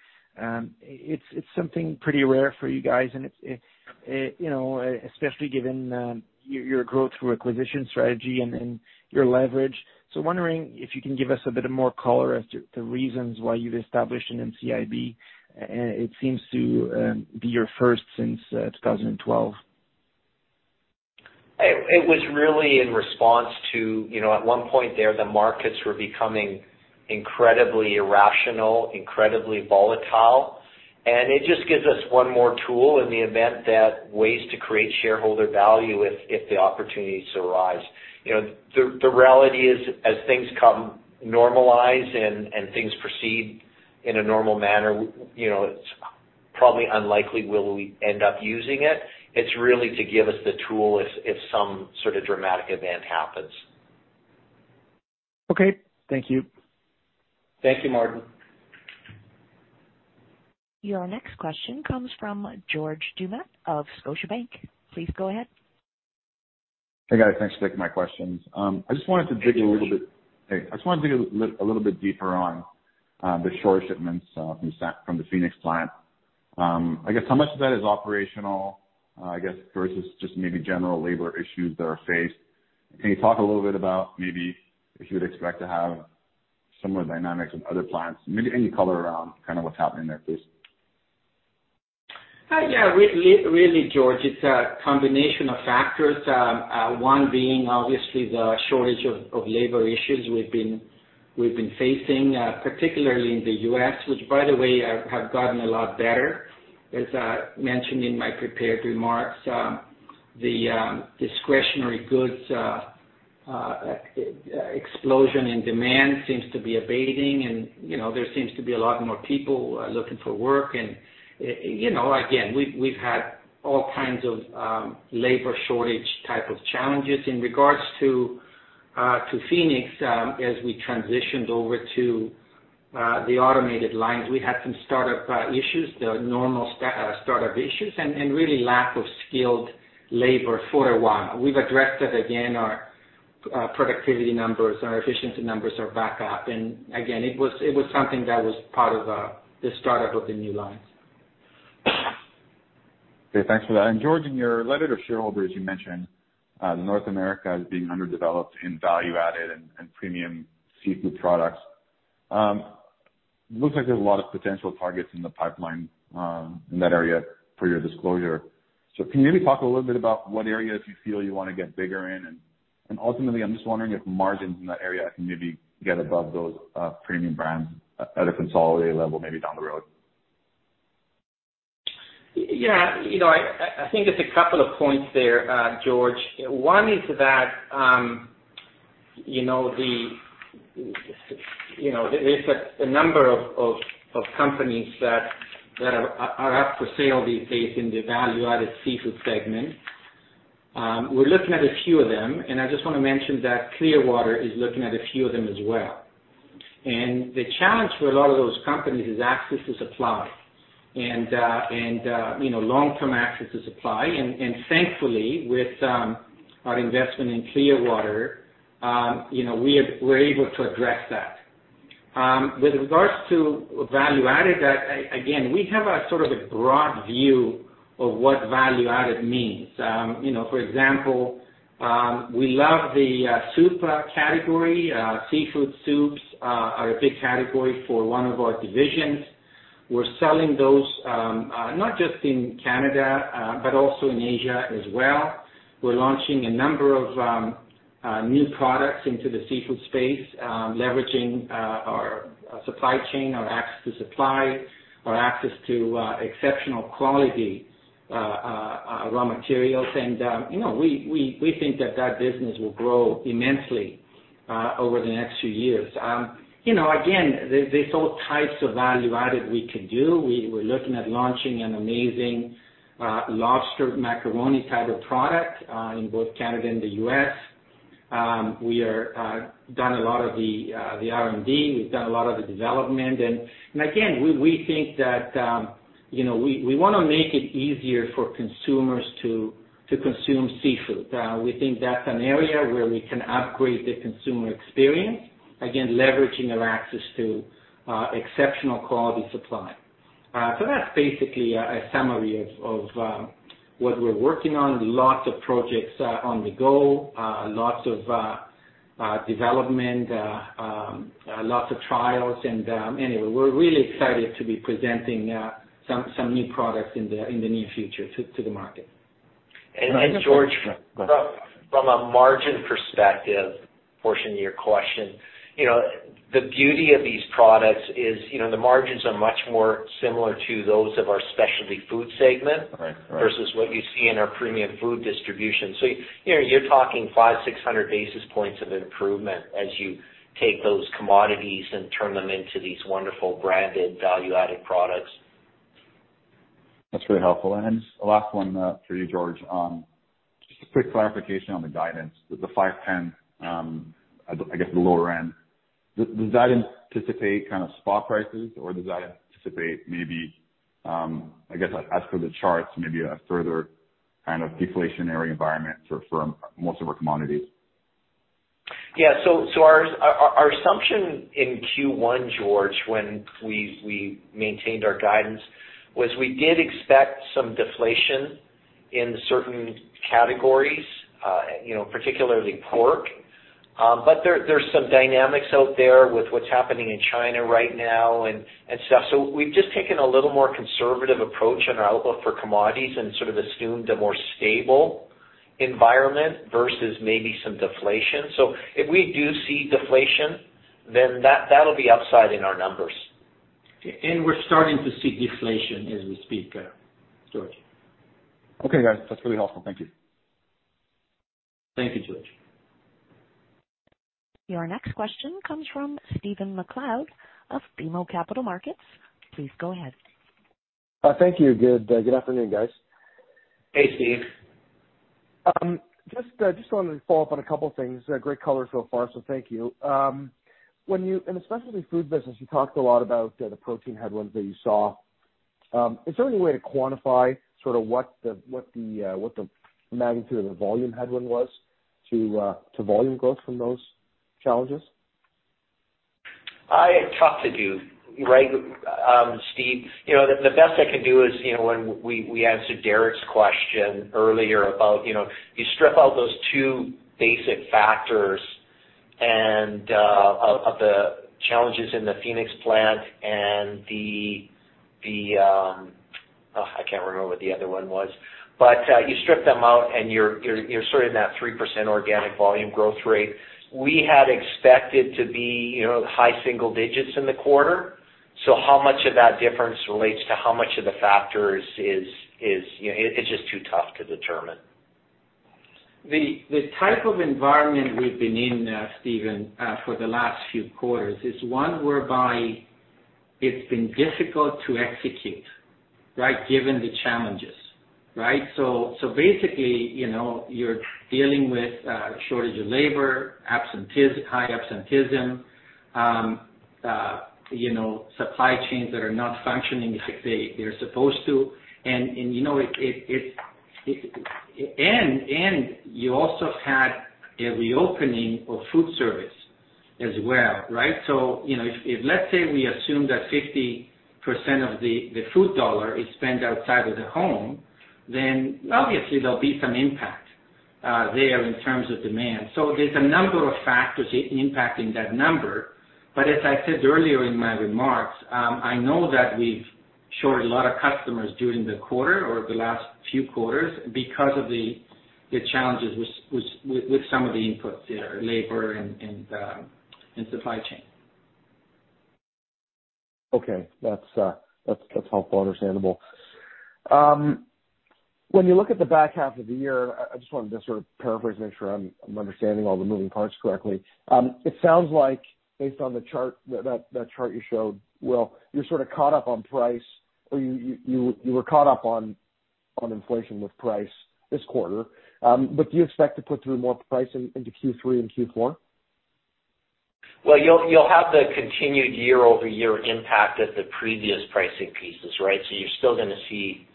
It's something pretty rare for you guys and it's you know especially given your growth through acquisition strategy and your leverage. Wondering if you can give us a bit more color as to the reasons why you've established an NCIB? It seems to be your first since 2012. It was really in response to, you know, at one point there, the markets were becoming incredibly irrational, incredibly volatile, and it just gives us one more tool in the event that ways to create shareholder value if the opportunities arise. You know, the reality is as things come normalize and things proceed in a normal manner, you know, it's probably unlikely will we end up using it. It's really to give us the tool if some sort of dramatic event happens. Okay. Thank you. Thank you, Martin. Your next question comes from George Doumet of Scotiabank. Please go ahead. Hey, guys. Thanks for taking my questions. I just wanted to dig a little bit. Hey, George. Hey, I just wanted to dig a little bit deeper on the short shipments from the Phoenix plant. I guess, how much of that is operational versus just maybe general labor issues that are faced. Can you talk a little bit about maybe if you would expect to have similar dynamics with other plants? Maybe any color around kind of what's happening there, please. Really, George, it's a combination of factors. One being obviously the shortage of labor issues we've been facing, particularly in the U.S., which by the way have gotten a lot better. As I mentioned in my prepared remarks, the discretionary goods explosion in demand seems to be abating and, you know, there seems to be a lot more people looking for work. You know, again, we've had all kinds of labor shortage type of challenges. In regards to Phoenix, as we transitioned over to the automated lines, we had some startup issues, the normal startup issues and really lack of skilled labor for a while. We've addressed it. Again, our productivity numbers, our efficiency numbers are back up. Again, it was something that was part of the startup of the new lines. Okay. Thanks for that. George, in your letter to shareholders, you mentioned North America as being underdeveloped in value-added and premium seafood products. Looks like there's a lot of potential targets in the pipeline in that area for your disclosure. Can you maybe talk a little bit about what areas you feel you wanna get bigger in? Ultimately, I'm just wondering if margins in that area can maybe get above those Premium Brands at a consolidated level, maybe down the road. Yeah. You know, I think there's a couple of points there, George. One is that, you know, there's a number of companies that are up for sale these days in the value-added seafood segment. We're looking at a few of them, and I just wanna mention that Clearwater is looking at a few of them as well. The challenge for a lot of those companies is access to supply and, you know, long-term access to supply. Thankfully with our investment in Clearwater, you know, we're able to address that. With regards to value added, again, we have a sort of a broad view of what value-added means. You know, for example, we love the soup category. Seafood soups are a big category for one of our divisions. We're selling those not just in Canada, but also in Asia as well. We're launching a number of new products into the seafood space, leveraging our supply chain, our access to supply, our access to exceptional quality raw materials. You know, we think that business will grow immensely over the next few years. You know, again, there's all types of value-added we could do. We're looking at launching an amazing lobster macaroni type of product in both Canada and the U.S. We've done a lot of the R&D. We've done a lot of the development. We think that, you know, we wanna make it easier for consumers to consume seafood. We think that's an area where we can upgrade the consumer experience, again, leveraging our access to exceptional quality supply. That's basically a summary of what we're working on. Lots of projects on the go, lots of development, lots of trials, and anyway, we're really excited to be presenting some new products in the near future to the market. George, from a margin perspective portion of your question, you know, the beauty of these products is, you know, the margins are much more similar to those of our Specialty Foods segment. Right. Right. Versus what you see in our Premium Food Distribution. You know, you're talking 500-600 basis points of improvement as you take those commodities and turn them into these wonderful branded value-added products. That's really helpful. A last one for you, George. Just a quick clarification on the guidance with the 5%, I guess the lower end. Does that anticipate kind of spot prices or does that anticipate maybe, I guess as per the charts, maybe a further kind of deflationary environment for most of our commodities? Yeah. Our assumption in Q1, George, when we maintained our guidance, was we did expect some deflation in certain categories, you know, particularly pork. There's some dynamics out there with what's happening in China right now and stuff. We've just taken a little more conservative approach on our outlook for commodities and sort of assumed a more stable environment versus maybe some deflation. If we do see deflation, then that'll be upside in our numbers. Okay. We're starting to see deflation as we speak, George. Okay, guys. That's really helpful. Thank you. Thank you, George. Your next question comes from Stephen MacLeod of BMO Capital Markets. Please go ahead. Thank you. Good afternoon, guys. Hey, Steve. Just wanted to follow up on a couple things. Great color so far, so thank you. Especially food business, you talked a lot about the protein headwinds that you saw. Is there any way to quantify sort of what the magnitude of the volume headwind was to volume growth from those challenges? Tough to do, right, Steven. You know, the best I can do is, you know, when we answered Derek's question earlier about, you know, you strip out those two basic factors and, of the challenges in the Phoenix plant and the, I can't remember what the other one was. You strip them out and you're sort of in that 3% organic volume growth rate. We had expected to be, you know, high single digits in the quarter. How much of that difference relates to how much of the factors is, you know, it's just too tough to determine. The type of environment we've been in, Stephen, for the last few quarters is one whereby it's been difficult to execute, right, given the challenges, right? Basically, you know, you're dealing with shortage of labor, high absenteeism, you know, supply chains that are not functioning as they're supposed to. You also had a reopening of food service as well, right? You know, if let's say we assume that 50% of the food dollar is spent outside of the home, then obviously there'll be some impact there in terms of demand. There's a number of factors impacting that number. As I said earlier in my remarks, I know that we've short a lot of customers during the quarter or the last few quarters because of the challenges with some of the inputs there, labor and supply chain. Okay. That's helpful. Understandable. When you look at the back half of the year, I just wanted to sort of paraphrase, make sure I'm understanding all the moving parts correctly. It sounds like based on the chart, that chart you showed, Will, you're sort of caught up on price or you were caught up on inflation with price this quarter. Do you expect to put through more price into Q3 and Q4? Well, you'll have the continued year-over-year impact at the previous pricing pieces, right? You're still gonna see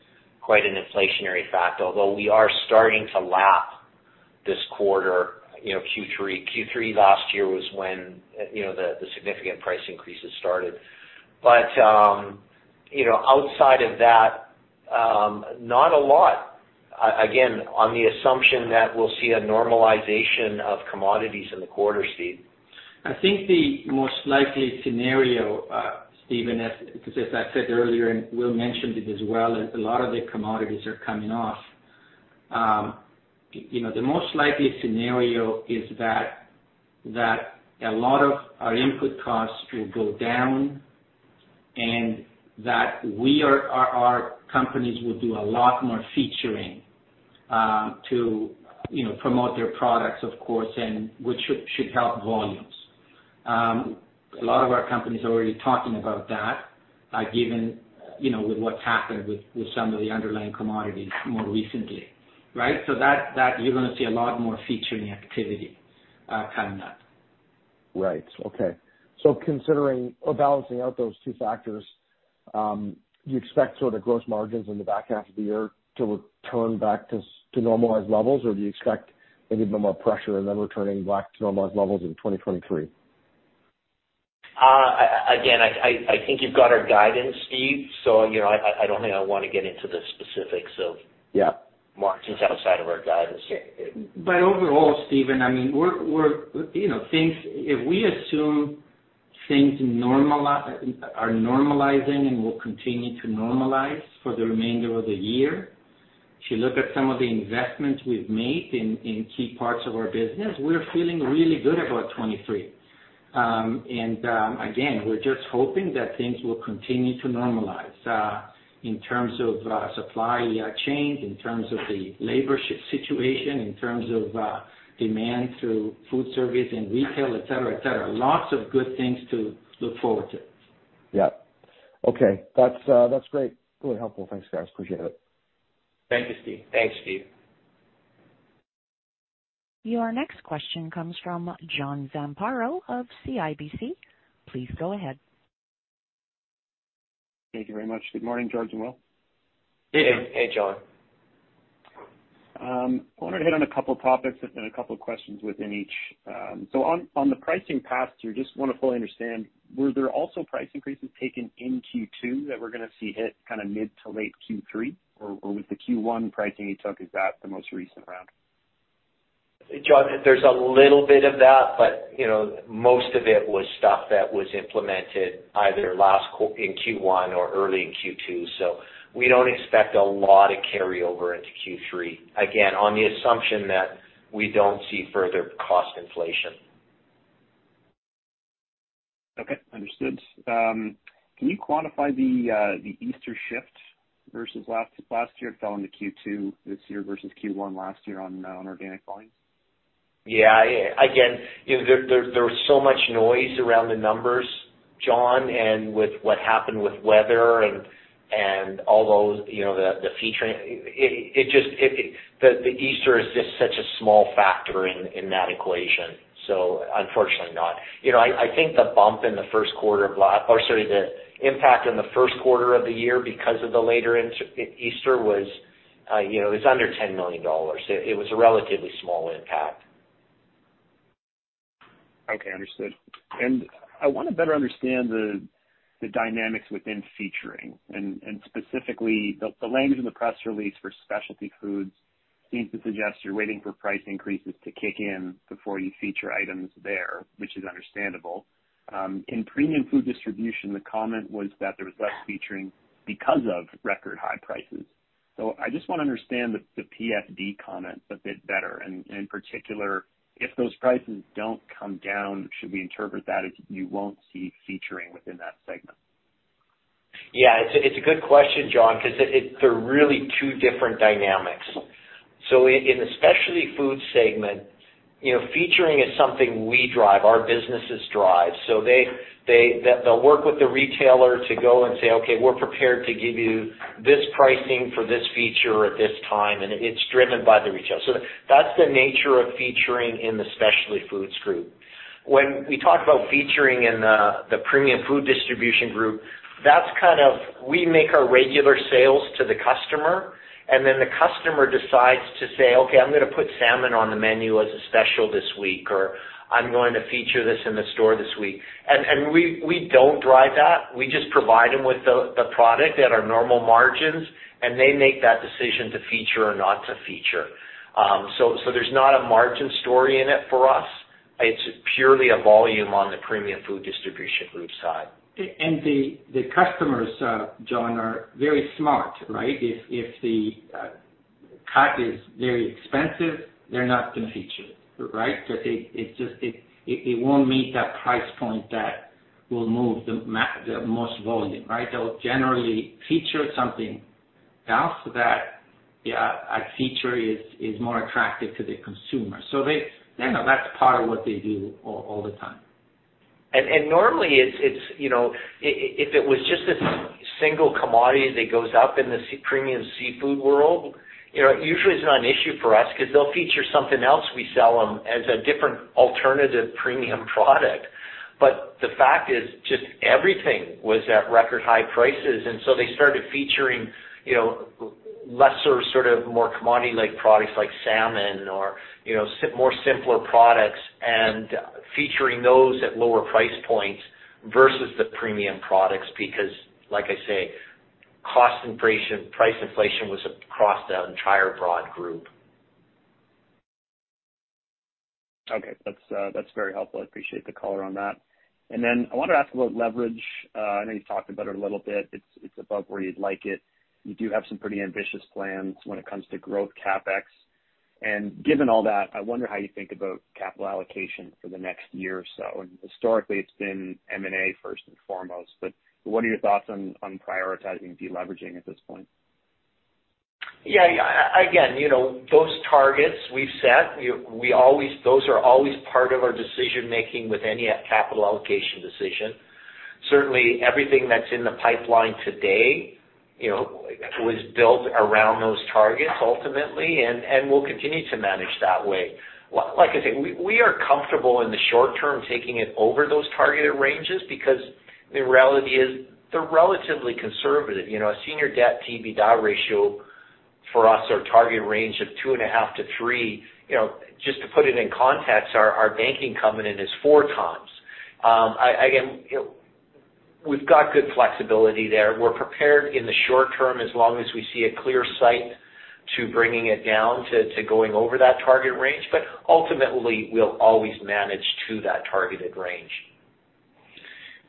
quite an inflationary factor, although we are starting to lap this quarter, you know, Q3. Q3 last year was when, you know, the significant price increases started. But, you know, outside of that, not a lot, again, on the assumption that we'll see a normalization of commodities in the quarter, Steve. I think the most likely scenario, Stephen, as I said earlier, and Will mentioned it as well, is a lot of the commodities are coming off. You know, the most likely scenario is that a lot of our input costs will go down and that our companies will do a lot more featuring to you know promote their products, of course, and which should help volumes. A lot of our companies are already talking about that, given you know with what's happened with some of the underlying commodities more recently, right? That you're gonna see a lot more featuring activity coming up. Right. Okay. Considering or balancing out those two factors, do you expect sort of gross margins in the back half of the year to return back to normalized levels? Or do you expect maybe a bit more pressure and then returning back to normalized levels in 2023? I think you've got our guidance, Steven. You know, I don't think I wanna get into the specifics of. Yeah. Margins outside of our guidance. Overall, Stephen, I mean, we're, you know, if we assume things are normalizing and will continue to normalize for the remainder of the year, if you look at some of the investments we've made in key parts of our business, we're feeling really good about 2023. Again, we're just hoping that things will continue to normalize in terms of supply chains, in terms of the labor situation, in terms of demand through food service and retail, et cetera, et cetera. Lots of good things to look forward to. Yeah. Okay. That's great. Really helpful. Thanks, guys. Appreciate it. Thank you, Steve. Thanks, Stephen. Your next question comes from John Zamparo of CIBC. Please go ahead. Thank you very much. Good morning, George Paleologou and Will Kalutycz. Hey. Hey, John. Wanted to hit on a couple of topics and then a couple of questions within each. On the pricing pass through, just wanna fully understand, were there also price increases taken in Q2 that we're gonna see hit kinda mid to late Q3? Or with the Q1 pricing you took, is that the most recent round? John, there's a little bit of that, but, you know, most of it was stuff that was implemented either in Q1 or early in Q2. We don't expect a lot of carry over into Q3. Again, on the assumption that we don't see further cost inflation. Okay. Understood. Can you quantify the Easter shift versus last year? It fell into Q2 this year versus Q1 last year on organic volume. Yeah. Again, you know, there was so much noise around the numbers, John, and with what happened with weather and all those, you know, the freight. It just, the Easter is just such a small factor in that equation. Unfortunately not. You know, I think the bump in the 1st quarter or sorry, the impact in the 1st quarter of the year because of the later Easter was, you know, it was under 10 million dollars. It was a relatively small impact. Okay. Understood. I wanna better understand the dynamics within featuring and specifically the language in the press release for Specialty Foods seems to suggest you're waiting for price increases to kick in before you feature items there, which is understandable. In Premium Food Distribution, the comment was that there was less featuring because of record high prices. I just wanna understand the PFD comments a bit better. In particular, if those prices don't come down, should we interpret that as you won't see featuring within that segment? Yeah. It's a good question, John, 'cause they're really two different dynamics. In the Specialty Food segment, you know, featuring is something we drive, our businesses drive. They'll work with the retailer to go and say, "Okay, we're prepared to give you this pricing for this feature at this time," and it's driven by the retailer. That's the nature of featuring in the Specialty Foods group. When we talk about featuring in the Premium Food Distribution group, that's kind of we make our regular sales to the customer, and then the customer decides to say, "Okay, I'm gonna put salmon on the menu as a special this week," or, "I'm going to feature this in the store this week." We don't drive that. We just provide them with the product at our normal margins, and they make that decision to feature or not to feature. There's not a margin story in it for us. It's purely a volume on the Premium Food Distribution group side. The customers, John, are very smart, right? If the cod is very expensive, they're not gonna feature it, right? Because it's just, it won't meet that price point that will move the most volume, right? They'll generally feature something else that, yeah, a feature is more attractive to the consumer. You know, that's part of what they do all the time. Normally it's you know if it was just a single commodity that goes up in the premium seafood world, you know, usually it's not an issue for us 'cause they'll feature something else we sell 'em as a different alternative premium product. The fact is just everything was at record high prices, and so they started featuring, you know, lesser sort of more commodity-like products like salmon or, you know, more simpler products and featuring those at lower price points versus the premium products because like I say, cost inflation, price inflation was across the entire broad group. Okay. That's very helpful. I appreciate the color on that. I wanted to ask about leverage. I know you've talked about it a little bit. It's above where you'd like it. You do have some pretty ambitious plans when it comes to growth CapEx. Given all that, I wonder how you think about capital allocation for the next year or so. Historically, it's been M&A first and foremost, but what are your thoughts on prioritizing deleveraging at this point? Yeah. Again, you know, those targets we've set, you know, those are always part of our decision-making with any capital allocation decision. Certainly everything that's in the pipeline today, you know, was built around those targets ultimately and we'll continue to manage that way. Like I say, we are comfortable in the short term taking it over those targeted ranges because the reality is they're relatively conservative. You know, a senior debt to EBITDA ratio for us, our target range of 2.5-3, you know, just to put it in context, our banking covenant is 4x. Again, you know, we've got good flexibility there. We're prepared in the short term as long as we see a clear line of sight to bringing it down to going over that target range. Ultimately, we'll always manage to that targeted range.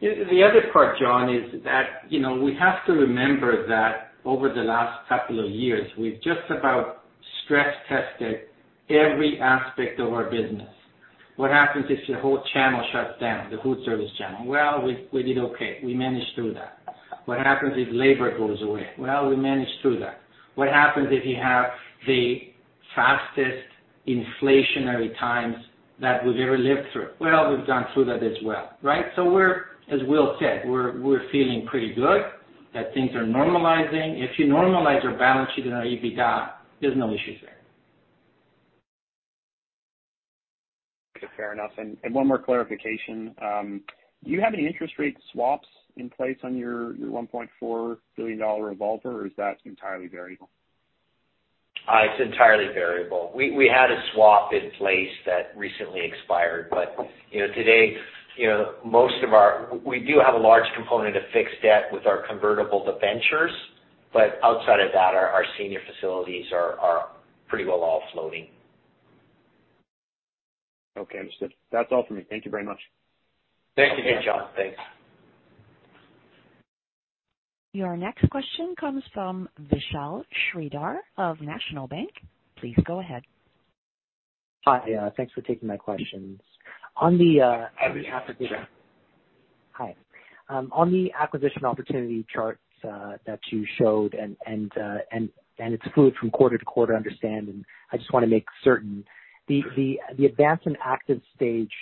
The other part, John, is that, you know, we have to remember that over the last couple of years, we've just about stress tested every aspect of our business. What happens if the whole channel shuts down, the food service channel? Well, we did okay. We managed through that. What happens if labor goes away? Well, we managed through that. What happens if you have the fastest inflationary times that we've ever lived through? Well, we've gone through that as well, right? We're, as Will said, feeling pretty good that things are normalizing. If you normalize your balance sheet and our EBITDA, there's no issues there. Fair enough. One more clarification. Do you have any interest rate swaps in place on your 1.4 billion-dollar revolver, or is that entirely variable? It's entirely variable. We had a swap in place that recently expired. You know, today, you know, we do have a large component of fixed debt with our convertible debentures. Outside of that, our senior facilities are pretty well all floating. Okay, understood. That's all for me. Thank you very much. Thank you. Have a great job. Thanks. Your next question comes from Vishal Shreedhar of National Bank. Please go ahead. Hi. Thanks for taking my questions. On the- How are you, Vishal? Hi. On the acquisition opportunity charts that you showed, it's fluid from quarter to quarter, I understand, and I just wanna make certain. The advanced and active stage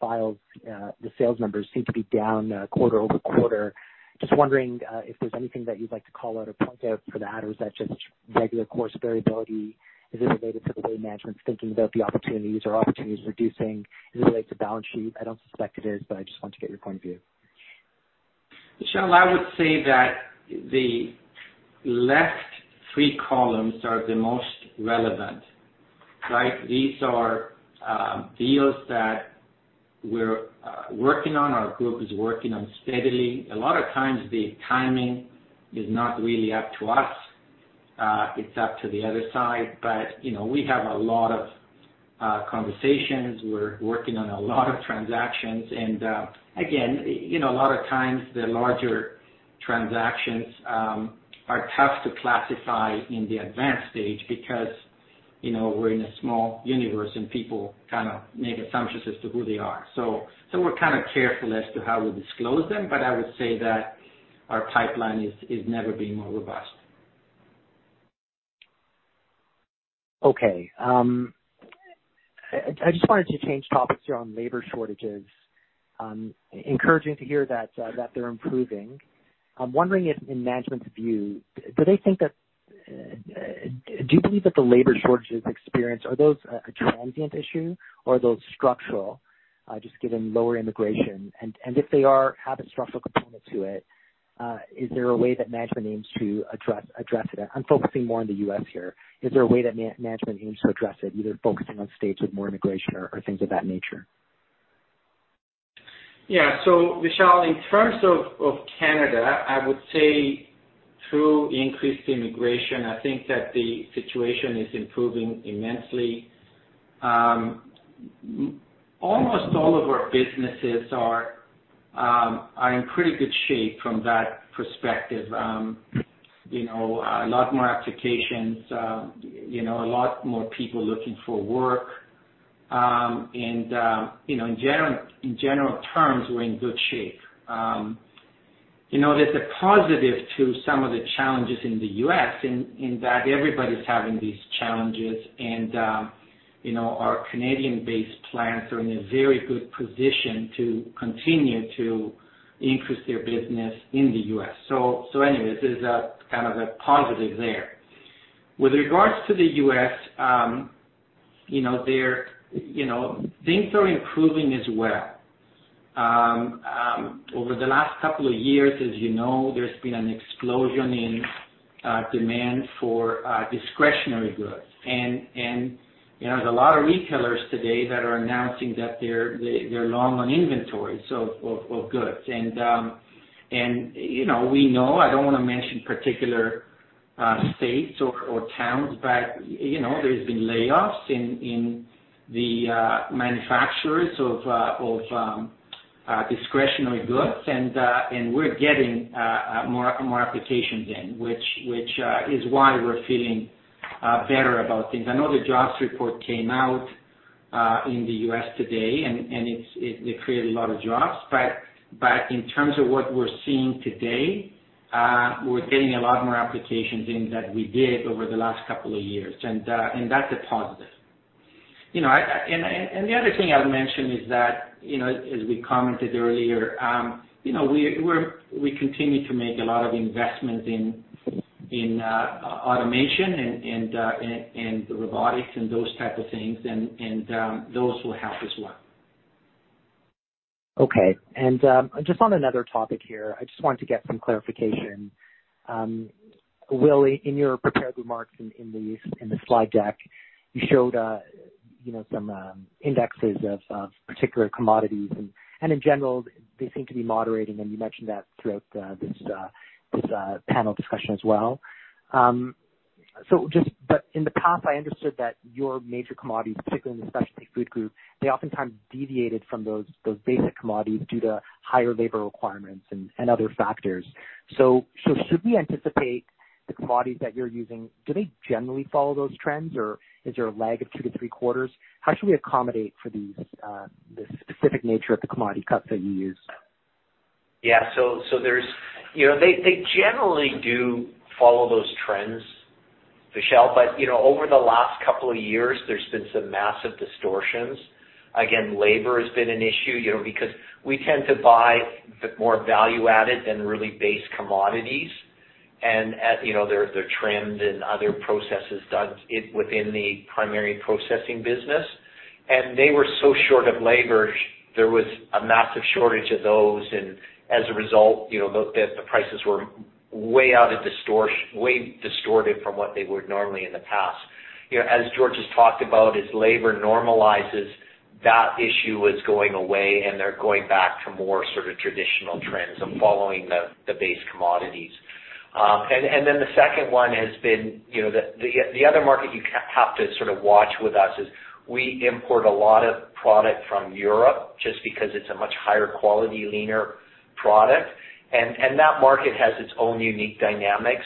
files, the sales numbers seem to be down quarter-over-quarter. Just wondering if there's anything that you'd like to call out or point out for that, or is that just regular course variability? Is it related to the way management's thinking about the opportunities or opportunities reducing as it relates to balance sheet? I don't suspect it is, but I just wanted to get your point of view. Vishal, I would say that the left three columns are the most relevant, right? These are deals that we're working on, our group is working on steadily. A lot of times the timing is not really up to us, it's up to the other side, but you know, we have a lot of conversations. We're working on a lot of transactions. Again, you know, a lot of times the larger transactions are tough to classify in the advanced stage because you know, we're in a small universe, and people kind of make assumptions as to who they are. So we're kind of careful as to how we disclose them, but I would say that our pipeline is never been more robust. Okay. I just wanted to change topics here on labor shortages. Encouraging to hear that they're improving. I'm wondering if in management's view, do you believe that the labor shortages experienced are those a transient issue or are those structural just given lower immigration? If they have a structural component to it, is there a way that management aims to address it? I'm focusing more on the U.S. here. Is there a way that management aims to address it, either focusing on states with more immigration or things of that nature? Yeah. Vishal, in terms of Canada, I would say through increased immigration, I think that the situation is improving immensely. Almost all of our businesses are in pretty good shape from that perspective. You know, a lot more applications, you know, a lot more people looking for work. You know, in general terms, we're in good shape. You know, there's a positive to some of the challenges in the U.S. in that everybody's having these challenges and, you know, our Canadian-based plants are in a very good position to continue to increase their business in the U.S. Anyways, there's kind of a positive there. With regards to the U.S., you know, they're, you know, things are improving as well. Over the last couple of years, as you know, there's been an explosion in demand for discretionary goods. You know, there's a lot of retailers today that are announcing that they're long on inventory, so of goods. You know, we know, I don't wanna mention particular states or towns, but you know, there's been layoffs in the manufacturers of discretionary goods. We're getting more applications in which is why we're feeling better about things. I know the jobs report came out in the U.S. today, and it created a lot of jobs. In terms of what we're seeing today, we're getting a lot more applications in than we did over the last couple of years. That's a positive. You know, the other thing I would mention is that, you know, as we commented earlier, you know, we continue to make a lot of investments in automation and robotics and those type of things and those will help as well. Okay. Just on another topic here, I just wanted to get some clarification. Will, in your prepared remarks in the slide deck, you showed you know some indexes of particular commodities and in general they seem to be moderating, and you mentioned that throughout this panel discussion as well. Just but in the past, I understood that your major commodities, particularly in the Specialty Foods group, they oftentimes deviated from those basic commodities due to higher labor requirements and other factors. Should we anticipate the commodities that you're using, do they generally follow those trends, or is there a lag of two to three quarters? How should we accommodate for the specific nature of the commodity cuts that you use? Yeah. There's you know, they generally do follow those trends, Vishal. You know, over the last couple of years, there's been some massive distortions. Again, labor has been an issue, you know, because we tend to buy the more value-added than really base commodities. At, you know, they're trimmed and other processes done in the primary processing business. They were so short of labor, there was a massive shortage of those. As a result, you know, the prices were way distorted from what they were normally in the past. You know, as George has talked about, as labor normalizes. That issue is going away and they're going back to more sort of traditional trends of following the base commodities. The second one has been, you know, the other market you have to sort of watch with us is we import a lot of product from Europe just because it's a much higher quality leaner product. That market has its own unique dynamics.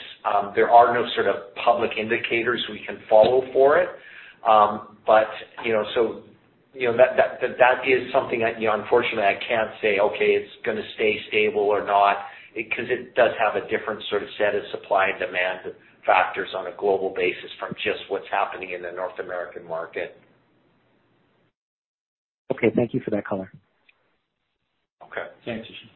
There are no sort of public indicators we can follow for it. You know, that is something that, you know, unfortunately I can't say, "Okay, it's gonna stay stable or not," because it does have a different sort of set of supply and demand factors on a global basis from just what's happening in the North American market. Okay. Thank you for that color. Okay. Thanks, Vishal.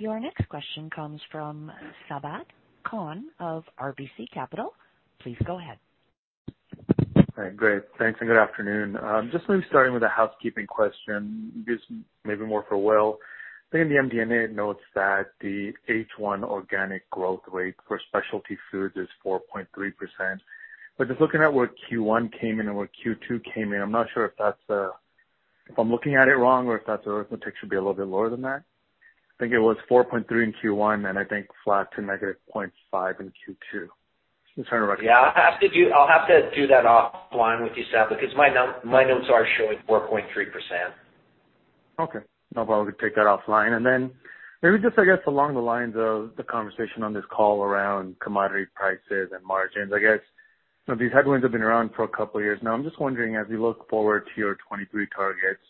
Your next question comes from Sabahat Khan of RBC Capital. Please go ahead. All right. Great. Thanks and good afternoon. Just may be starting with a housekeeping question. This may be more for Will. I think in the MD&A, it notes that the H1 organic growth rate for specialty foods is 4.3%. Just looking at where Q1 came in and where Q2 came in, I'm not sure if that's if I'm looking at it wrong or if that arithmetic should be a little bit lower than that. I think it was 4.3% in Q1, and I think flat to -0.5% in Q2. Just trying to reca- I'll have to do that offline with you, Sabahat, because my notes are showing 4.3%. Okay. No problem. We can take that offline. Then maybe just, I guess, along the lines of the conversation on this call around commodity prices and margins, I guess, you know, these headwinds have been around for a couple years now. I'm just wondering, as we look forward to your 2023 targets,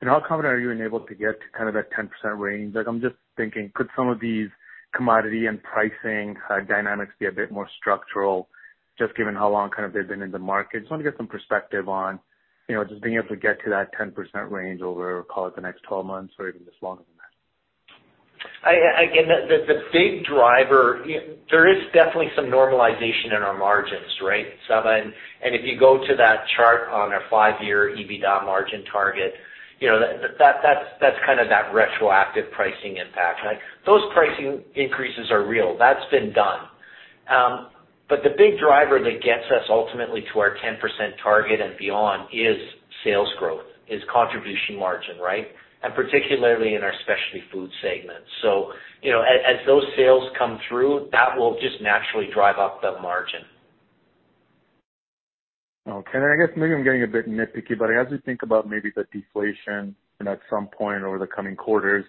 you know, how confident are you enabled to get to kind of that 10% range? Like, I'm just thinking, could some of these commodity and pricing dynamics be a bit more structural just given how long kind of they've been in the market? Just wanna get some perspective on, you know, just being able to get to that 10% range over, call it the next 12 months or even just longer than that. Again, the big driver. There is definitely some normalization in our margins, right, Sabahat? If you go to that chart on our five-year EBITDA margin target, you know, that's kind of that retroactive pricing impact. Like, those pricing increases are real. That's been done. The big driver that gets us ultimately to our 10% target and beyond is sales growth, contribution margin, right? Particularly in our Specialty Foods segment. You know, as those sales come through, that will just naturally drive up the margin. Okay. I guess maybe I'm getting a bit nitpicky, but as we think about maybe the deflation and at some point over the coming quarters,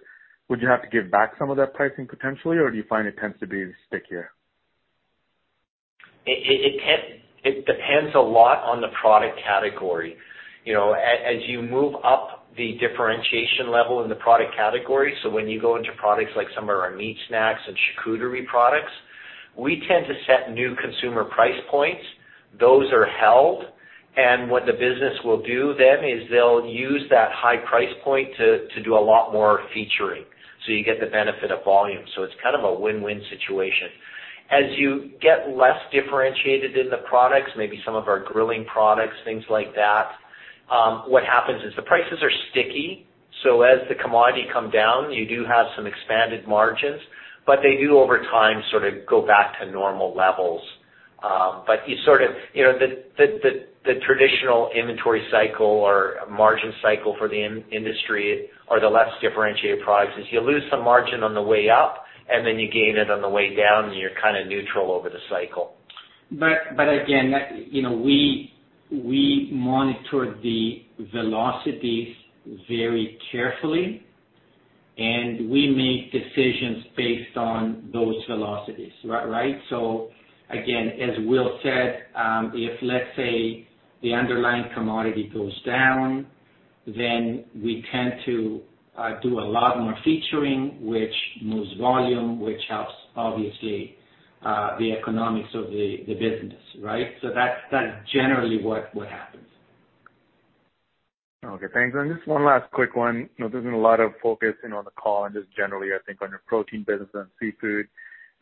would you have to give back some of that pricing potentially, or do you find it tends to be stickier? It depends a lot on the product category. You know, as you move up the differentiation level in the product category, so when you go into products like some of our meat snacks and charcuterie products, we tend to set new consumer price points. Those are held, and what the business will do then is they'll use that high price point to do a lot more featuring, so you get the benefit of volume. It's kind of a win-win situation. As you get less differentiated in the products, maybe some of our grilling products, things like that, what happens is the prices are sticky, so as the commodity come down, you do have some expanded margins, but they do over time sort of go back to normal levels. You know, the traditional inventory cycle or margin cycle for the industry or the less differentiated products is you lose some margin on the way up, and then you gain it on the way down, and you're kinda neutral over the cycle. Again, you know, we monitor the velocities very carefully, and we make decisions based on those velocities. Right? Again, as Will said, if let's say, the underlying commodity goes down, then we tend to do a lot more featuring, which moves volume, which helps obviously, the economics of the business, right? That's generally what happens. Okay. Thanks. Just one last quick one. You know, there's been a lot of focus in on the call and just generally, I think, on your protein business and seafood.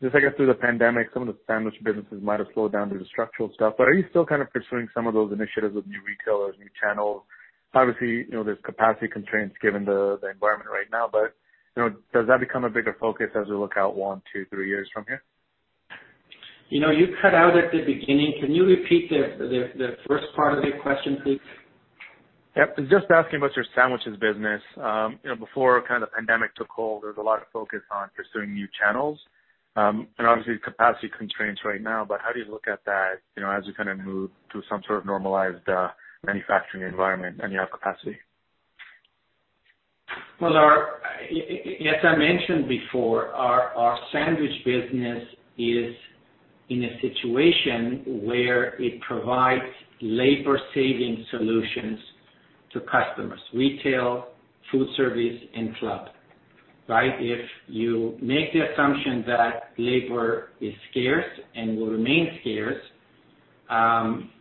Just, I guess, through the pandemic, some of the sandwich businesses might have slowed down due to structural stuff, but are you still kind of pursuing some of those initiatives with new retailers, new channels? Obviously, you know, there's capacity constraints given the environment right now, but, you know, does that become a bigger focus as we look out one, two, three years from here? You know, you cut out at the beginning. Can you repeat the first part of your question, please? Yep. Just asking about your sandwiches business. You know, before kind of the pandemic took hold, there was a lot of focus on pursuing new channels. Obviously capacity constraints right now, but how do you look at that, you know, as we kinda move to some sort of normalized manufacturing environment and you have capacity? Well, as I mentioned before, our sandwich business is in a situation where it provides labor savings solutions to customers, retail, food service, and club, right? If you make the assumption that labor is scarce and will remain scarce,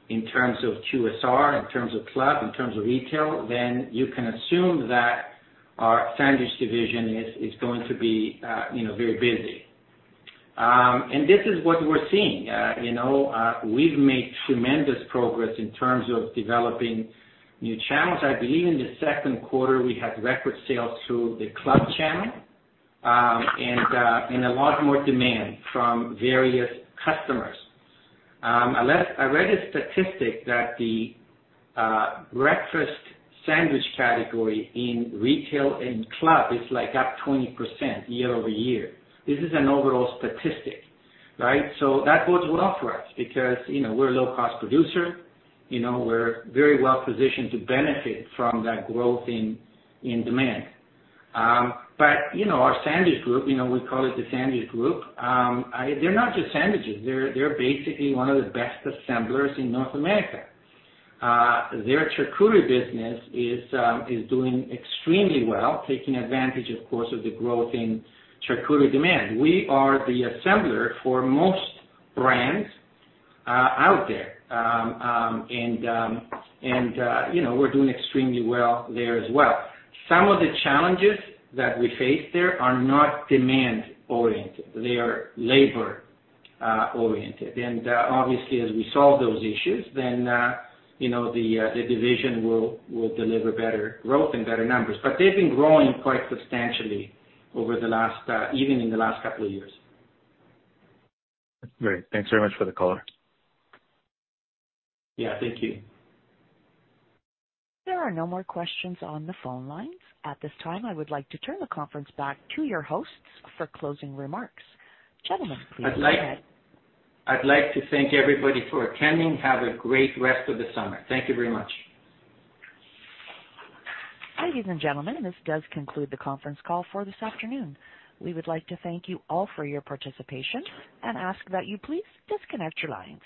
in terms of QSR, in terms of club, in terms of retail, then you can assume that our sandwich division is going to be, you know, very busy. This is what we're seeing. You know, we've made tremendous progress in terms of developing new channels. I believe in the 2nd quarter, we had record sales through the club channel, and a lot more demand from various customers. I read a statistic that the breakfast sandwich category in retail and club is like up 20% year-over-year. This is an overall statistic, right? That bodes well for us because, you know, we're a low cost producer. You know, we're very well positioned to benefit from that growth in demand. Our sandwich group, you know, we call it the sandwich group, they're not just sandwiches. They're basically one of the best assemblers in North America. Their charcuterie business is doing extremely well, taking advantage, of course, of the growth in charcuterie demand. We are the assembler for most brands out there. And you know, we're doing extremely well there as well. Some of the challenges that we face there are not demand oriented. They are labor oriented. Obviously, as we solve those issues, then you know, the division will deliver better growth and better numbers. They've been growing quite substantially over the last, even in the last couple of years. Great. Thanks very much for the color. Yeah. Thank you. There are no more questions on the phone lines. At this time, I would like to turn the conference back to your hosts for closing remarks. Gentlemen, please go ahead. I'd like to thank everybody for attending. Have a great rest of the summer. Thank you very much. Ladies and gentlemen, this does conclude the conference call for this afternoon. We would like to thank you all for your participation and ask that you please disconnect your lines.